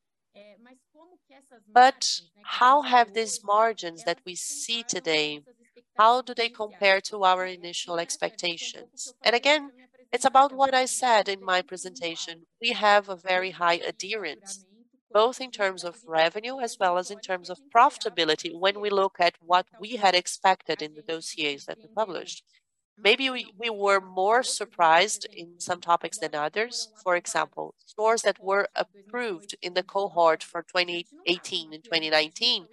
How have these margins that we see today, how do they compare to our initial expectations?" Again, it's about what I said in my presentation. We have a very high adherence, both in terms of revenue as well as in terms of profitability when we look at what we had expected in the dossiers that we published. Maybe we were more surprised in some topics than others. For example, stores that were approved in the cohort for 2018 and 2019,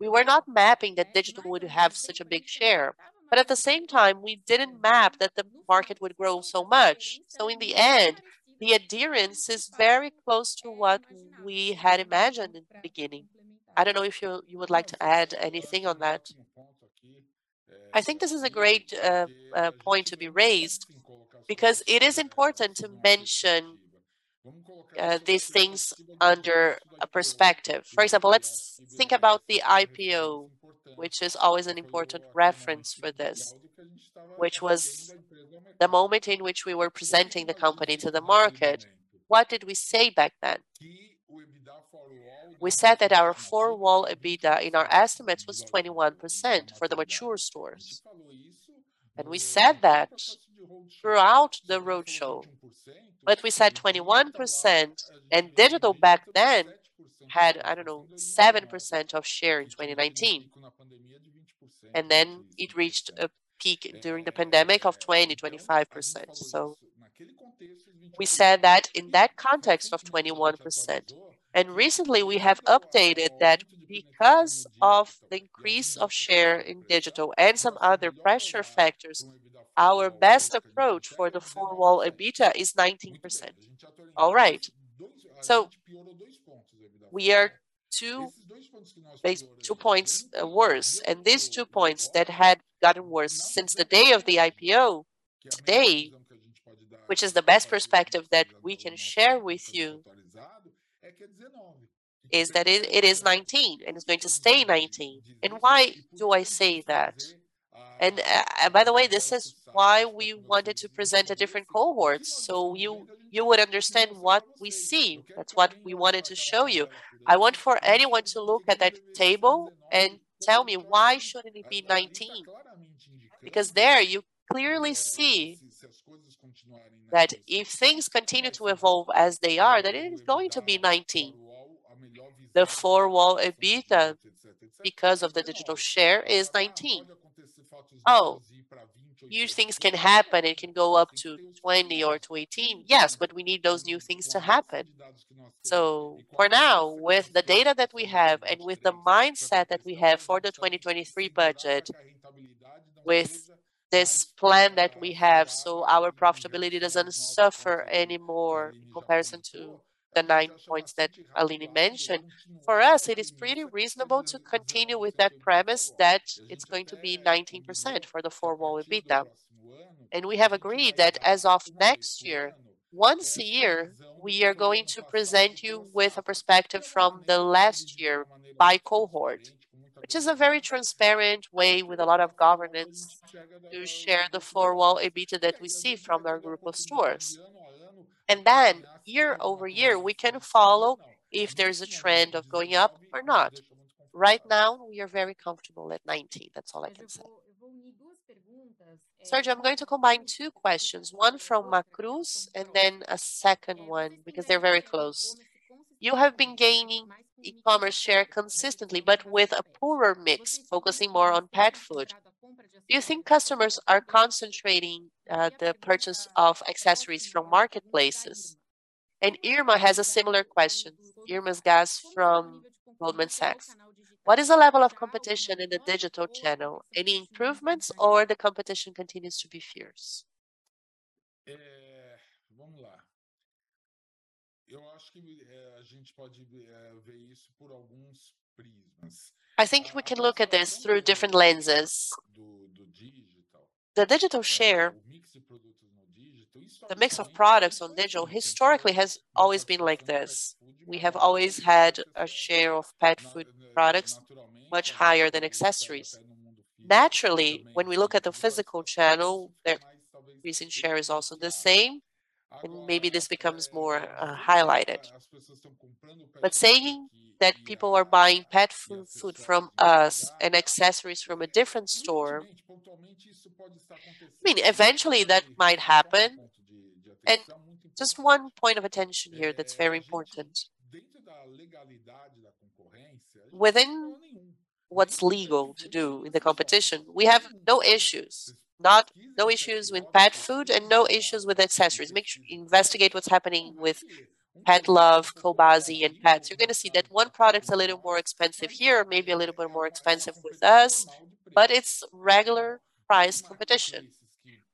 we were not mapping that digital would have such a big share. At the same time, we didn't map that the market would grow so much. In the end, the adherence is very close to what we had imagined in the beginning. I don't know if you would like to add anything on that. I think this is a great point to be raised because it is important to mention these things under a perspective. For example, let's think about the IPO, which is always an important reference for this, which was the moment in which we were presenting the company to the market. What did we say back then? We said that our four-wall EBITDA in our estimates was 21% for the mature stores, and we said that throughout the roadshow. But we said 21%, and digital back then had, I don't know, 7% of share in 2019. And then it reached a peak during the pandemic of 20%-25%. We said that in that context of 21%. Recently we have updated that because of the increase of share in digital and some other pressure factors, our best approach for the four-wall EBITDA is 19%. All right, we are two points worse, and these two points that had gotten worse since the day of the IPO, today, which is the best perspective that we can share with you, is that it is 19 and it's going to stay 19. Why do I say that? By the way, this is why we wanted to present a different cohort so you would understand what we see. That's what we wanted to show you. I want for anyone to look at that table and tell me why shouldn't it be 19? Because there you clearly see that if things continue to evolve as they are, that it is going to be 19. The four-wall EBITDA, because of the digital share, is 19. Oh, new things can happen. It can go up to 20 or to 18. Yes, but we need those new things to happen. For now, with the data that we have and with the mindset that we have for the 2023 budget, with this plan that we have so our profitability doesn't suffer any more in comparison to the nine points that Aline mentioned, for us it is pretty reasonable to continue with that premise that it's going to be 19% for the four-wall EBITDA. We have agreed that as of next year, once a year, we are going to present you with a perspective from the last year by cohort, which is a very transparent way with a lot of governance to share the four-wall EBITDA that we see from our group of stores. Year over year, we can follow if there's a trend of going up or not. Right now, we are very comfortable at 19%. That's all I can say. Sergio, I'm going to combine two questions, one from Macruz and then a second one because they're very close. You have been gaining e-commerce share consistently but with a poorer mix, focusing more on pet food. Do you think customers are concentrating the purchase of accessories from marketplaces? Irma has a similar question. Irma Sgarz from Goldman Sachs. What is the level of competition in the digital channel? Any improvements or the competition continues to be fierce? I think we can look at this through different lenses. The digital share, the mix of products on digital historically has always been like this. We have always had a share of pet food products much higher than accessories. Naturally, when we look at the physical channel, the recent share is also the same, and maybe this becomes more highlighted. Saying that people are buying pet food from us and accessories from a different store, I mean, eventually that might happen. Just one point of attention here that's very important. Within what's legal to do in the competition, we have no issues. No issues with pet food and no issues with accessories. Investigate what's happening with Petlove, Cobasi, and Petz. You're gonna see that one product's a little more expensive here, maybe a little bit more expensive with us, but it's regular price competition.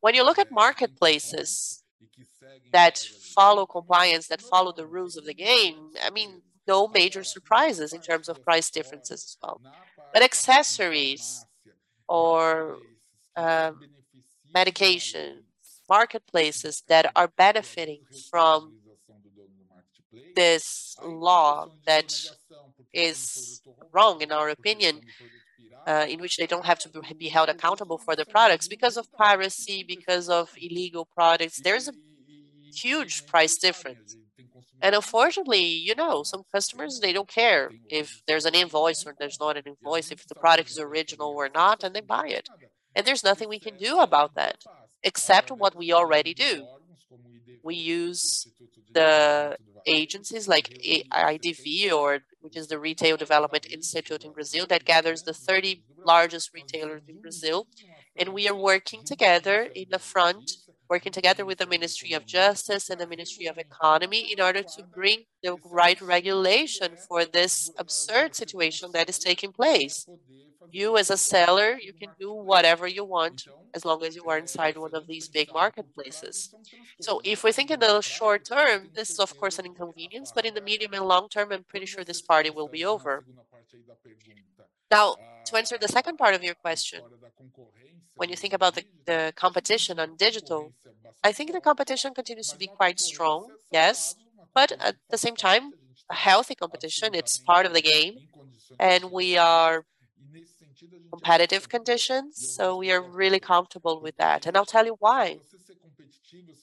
When you look at marketplaces that follow compliance, that follow the rules of the game, I mean, no major surprises in terms of price differences as well. Accessories or medications, marketplaces that are benefiting from this law that is wrong in our opinion, in which they don't have to be held accountable for their products because of piracy, because of illegal products, there is a huge price difference. Unfortunately, you know, some customers, they don't care if there's an invoice or there's not an invoice, if the product is original or not, and they buy it. There's nothing we can do about that except what we already do. We use the agencies like IDV, which is the Retail Development Institute in Brazil, that gathers the 30 largest retailers in Brazil. We are working together in the front, working together with the Ministry of Justice and the Ministry of Economy in order to bring the right regulation for this absurd situation that is taking place. You as a seller, you can do whatever you want as long as you are inside one of these big marketplaces. If we think in the short term, this is of course an inconvenience, but in the medium and long term, I'm pretty sure this party will be over. Now, to answer the second part of your question. When you think about the competition on digital, I think the competition continues to be quite strong, yes. At the same time, a healthy competition, it's part of the game, and we are competitive conditions, so we are really comfortable with that, and I'll tell you why.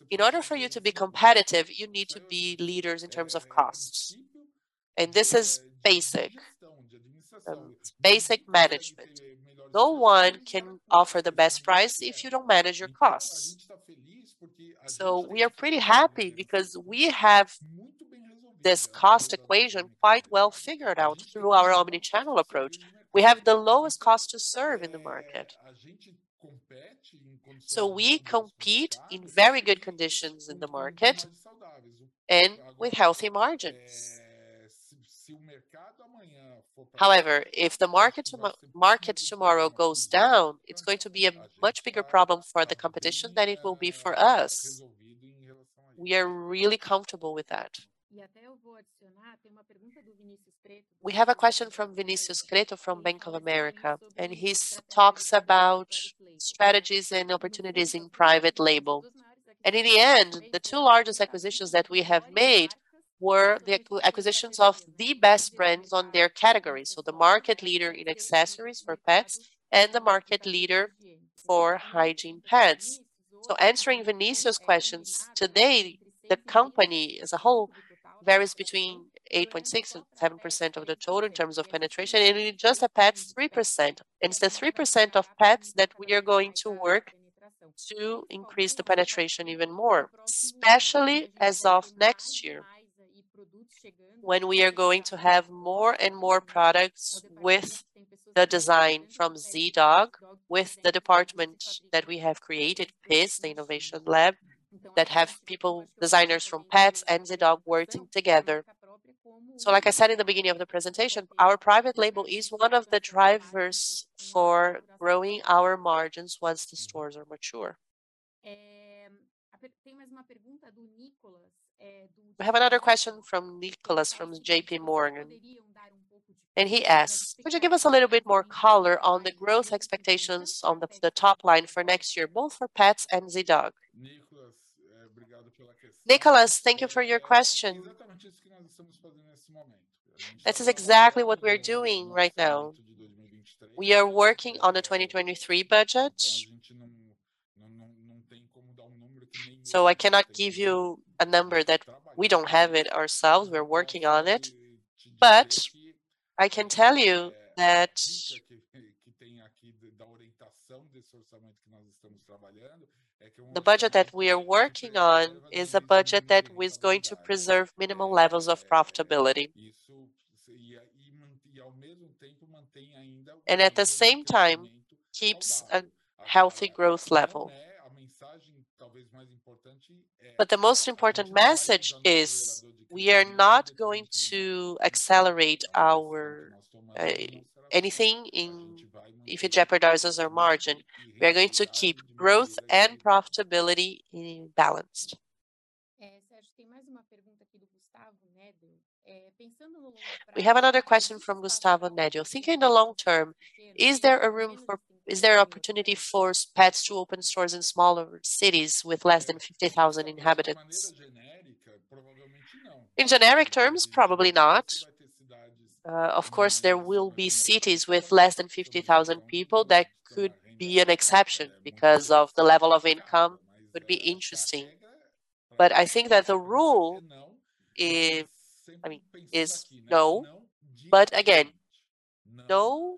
In order for you to be competitive, you need to be leaders in terms of costs, and this is basic. It's basic management. No one can offer the best price if you don't manage your costs. So we are pretty happy because we have this cost equation quite well figured out through our omnichannel approach. We have the lowest cost to serve in the market. So we compete in very good conditions in the market and with healthy margins. However, if the market tomorrow goes down, it's going to be a much bigger problem for the competition than it will be for us. We are really comfortable with that. We have a question from Vinicius Pretto from Bank of America, and he talks about strategies and opportunities in private label. In the end, the two largest acquisitions that we have made were the acquisitions of the best brands in their category, so the market leader in accessories for pets and the market leader for hygiene pads. Answering Vinicius Pretto's questions, today, the company as a whole varies between 8.6% and 7% of the total in terms of penetration, and in just Petz, 3%. It's the 3% of Petz that we are going to work to increase the penetration even more, especially as of next year when we are going to have more and more products with the design from Zee.Dog with the department that we have created, PIS, the innovation lab, that have people, designers from Petz and Zee.Dog working together. Like I said in the beginning of the presentation, our private label is one of the drivers for growing our margins once the stores are mature. We have another question from Nicolas from JPMorgan, and he asks, "Would you give us a little bit more color on the growth expectations on the top line for next year, both for Petz and Zee.Dog?" Nicolas, thank you for your question. This is exactly what we're doing right now. We are working on the 2023 budget, so I cannot give you a number that we don't have it ourselves. We're working on it. But I can tell you that the budget that we are working on is a budget that is going to preserve minimum levels of profitability. At the same time, keeps a healthy growth level. The most important message is we are not going to accelerate our anything if it jeopardizes our margin. We are going to keep growth and profitability in balance. We have another question from Gustavo Nedel. Thinking the long term, is there opportunity for Petz to open stores in smaller cities with less than 50,000 inhabitants? In generic terms, probably not. Of course, there will be cities with less than 50,000 people that could be an exception because of the level of income would be interesting. I think that the rule is, I mean, is no. Again, no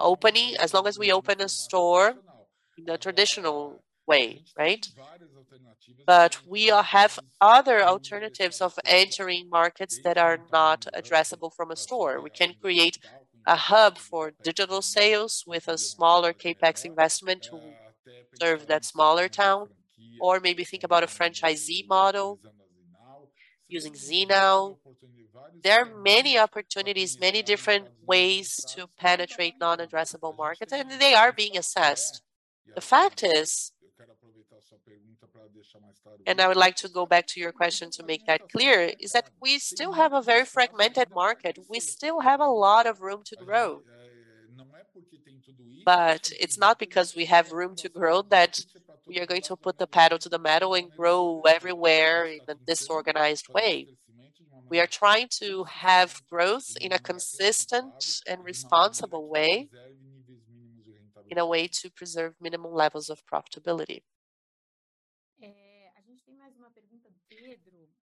opening as long as we open a store in the traditional way, right? We all have other alternatives of entering markets that are not addressable from a store. We can create a hub for digital sales with a smaller CapEx investment to serve that smaller town or maybe think about a franchisee model using Zee.Now. There are many opportunities, many different ways to penetrate non-addressable markets, and they are being assessed. The fact is, and I would like to go back to your question to make that clear, is that we still have a very fragmented market. We still have a lot of room to grow. It's not because we have room to grow that we are going to put the pedal to the metal and grow everywhere in a disorganized way. We are trying to have growth in a consistent and responsible way, in a way to preserve minimum levels of profitability.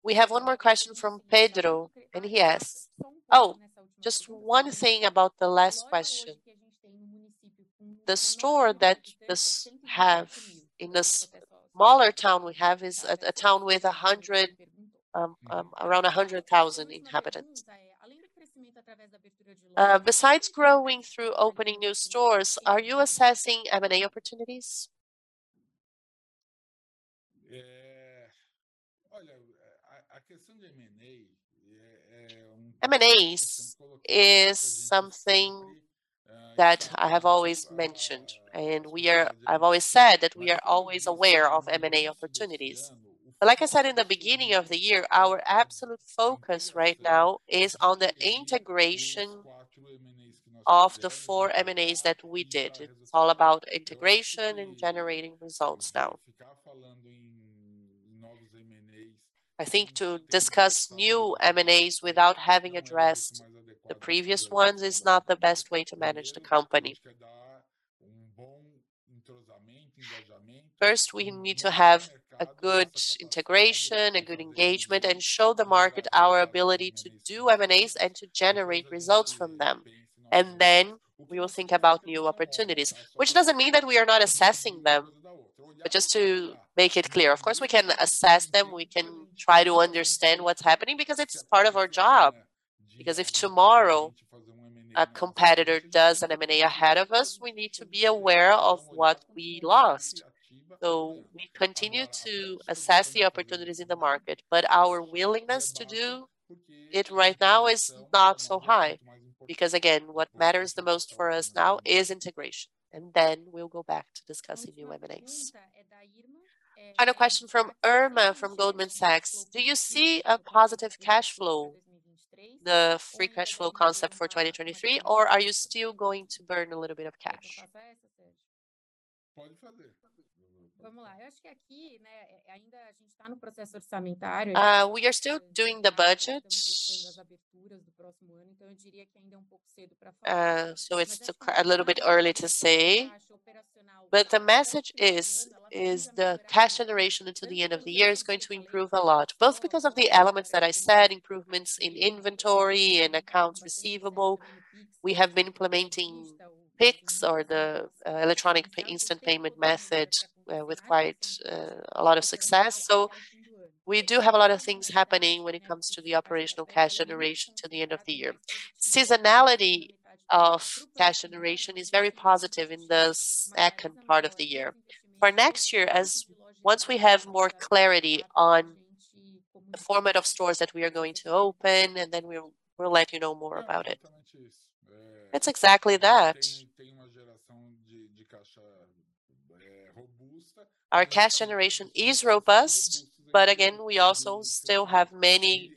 We have one more question from Pedro, and he asks. Oh, just one thing about the last question. The store that we have in the smaller town we have is a town with around 100,000 inhabitants. Besides growing through opening new stores, are you assessing M&A opportunities? M&As is something that I have always mentioned. I've always said that we are always aware of M&A opportunities. Like I said in the beginning of the year, our absolute focus right now is on the integration of the four M&As that we did. It's all about integration and generating results now. I think to discuss new M&As without having addressed the previous ones is not the best way to manage the company. First, we need to have a good integration, a good engagement, and show the market our ability to do M&As and to generate results from them, and then we will think about new opportunities. Which doesn't mean that we are not assessing them. Just to make it clear, of course, we can assess them, we can try to understand what's happening because it's part of our job. Because if tomorrow a competitor does an M&A ahead of us, we need to be aware of what we lost. We continue to assess the opportunities in the market, but our willingness to do it right now is not so high. Because again, what matters the most for us now is integration, and then we'll go back to discussing new M&As. Final question from Irma from Goldman Sachs. Do you see a positive cash flow, the free cash flow concept for 2023, or are you still going to burn a little bit of cash? We are still doing the budget, so it's a little bit early to say. The message is the cash generation until the end of the year is going to improve a lot, both because of the elements that I said, improvements in inventory, in accounts receivable. We have been implementing PIX or the instant payment method with quite a lot of success. We do have a lot of things happening when it comes to the operational cash generation till the end of the year. Seasonality of cash generation is very positive in the second part of the year. For next year, once we have more clarity on the format of stores that we are going to open and then we'll let you know more about it. That's exactly that. Our cash generation is robust, but again, we also still have many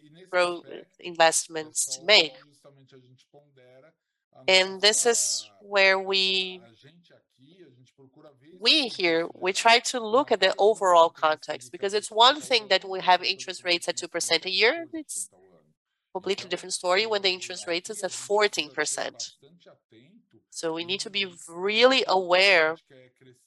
investments to make. This is where we try to look at the overall context because it's one thing that we have interest rates at 2% a year, and it's a completely different story when the interest rate is at 14%. We need to be really aware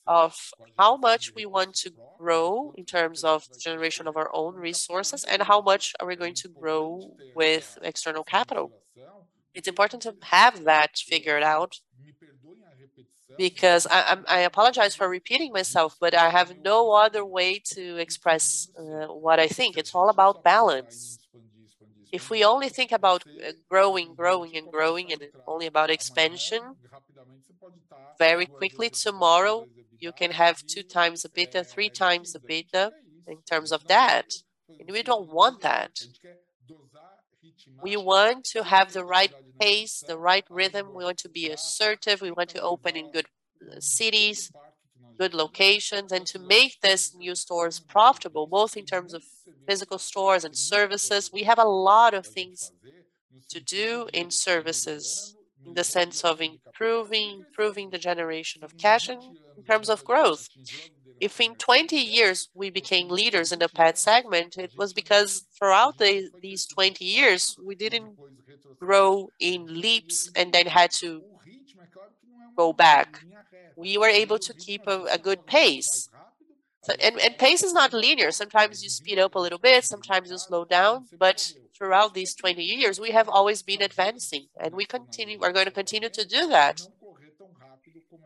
of how much we want to grow in terms of generation of our own resources and how much are we going to grow with external capital. It's important to have that figured out because I apologize for repeating myself, but I have no other way to express what I think. It's all about balance. If we only think about growing and growing and only about expansion, very quickly tomorrow you can have 2x EBITDA, 3x EBITDA in terms of debt, and we don't want that. We want to have the right pace, the right rhythm. We want to be assertive. We want to open in good cities, good locations, and to make these new stores profitable, both in terms of physical stores and services. We have a lot of things to do in services in the sense of improving the generation of cash and in terms of growth. If in 20 years we became leaders in the pet segment, it was because throughout these 20 years, we didn't grow in leaps and then had to go back. We were able to keep a good pace. Pace is not linear. Sometimes you speed up a little bit, sometimes you slow down. Throughout these 20 years, we have always been advancing, and we're gonna continue to do that.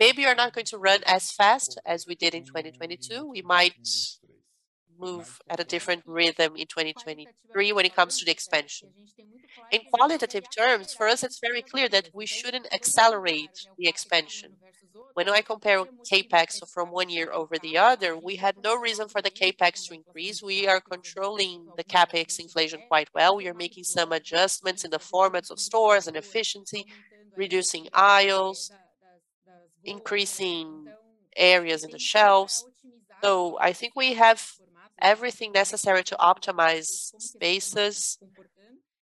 Maybe we're not going to run as fast as we did in 2022. We might move at a different rhythm in 2023 when it comes to the expansion. In qualitative terms, for us it's very clear that we shouldn't accelerate the expansion. When I compare CapEx from one year over the other, we had no reason for the CapEx to increase. We are controlling the CapEx inflation quite well. We are making some adjustments in the formats of stores and efficiency, reducing aisles, increasing areas in the shelves. I think we have everything necessary to optimize spaces.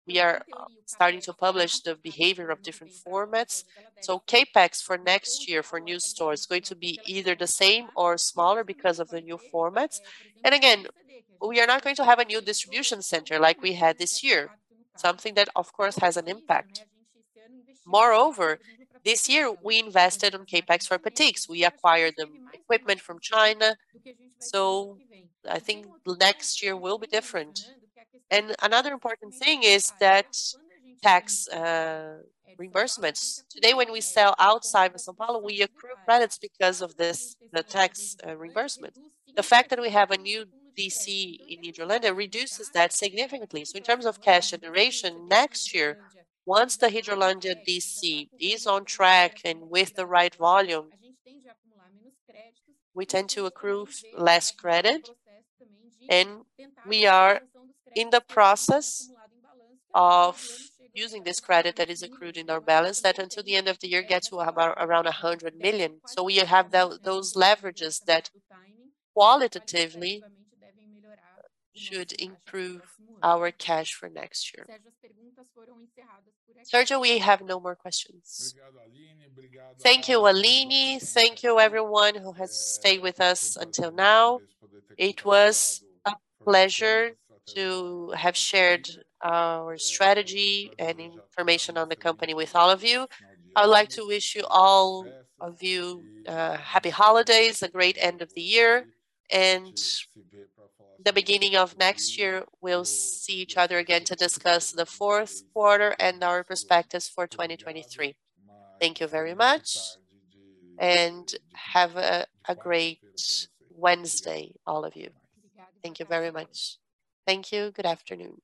We are starting to publish the behavior of different formats. CapEx for next year for new stores is going to be either the same or smaller because of the new formats. Again, we are not going to have a new distribution center like we had this year, something that, of course, has an impact. Moreover, this year we invested on CapEx for Petix. We acquired the equipment from China. I think next year will be different. Another important thing is that tax reimbursements. Today when we sell outside of São Paulo, we accrue credits because of this, the tax reimbursement. The fact that we have a new DC in Hidrolândia reduces that significantly. In terms of cash generation next year, once the Hidrolândia DC is on track and with the right volume, we tend to accrue less credit. We are in the process of using this credit that is accrued in our balance that until the end of the year gets to around 100 million. We have those leverages that qualitatively should improve our cash for next year. Sergio, we have no more questions. Thank you, Aline. Thank you everyone who has stayed with us until now. It was a pleasure to have shared our strategy and information on the company with all of you. I would like to wish you all happy holidays, a great end of the year. The beginning of next year, we'll see each other again to discuss the fourth quarter and our prospectus for 2023. Thank you very much, and have a great Wednesday, all of you. Thank you very much. Thank you. Good afternoon.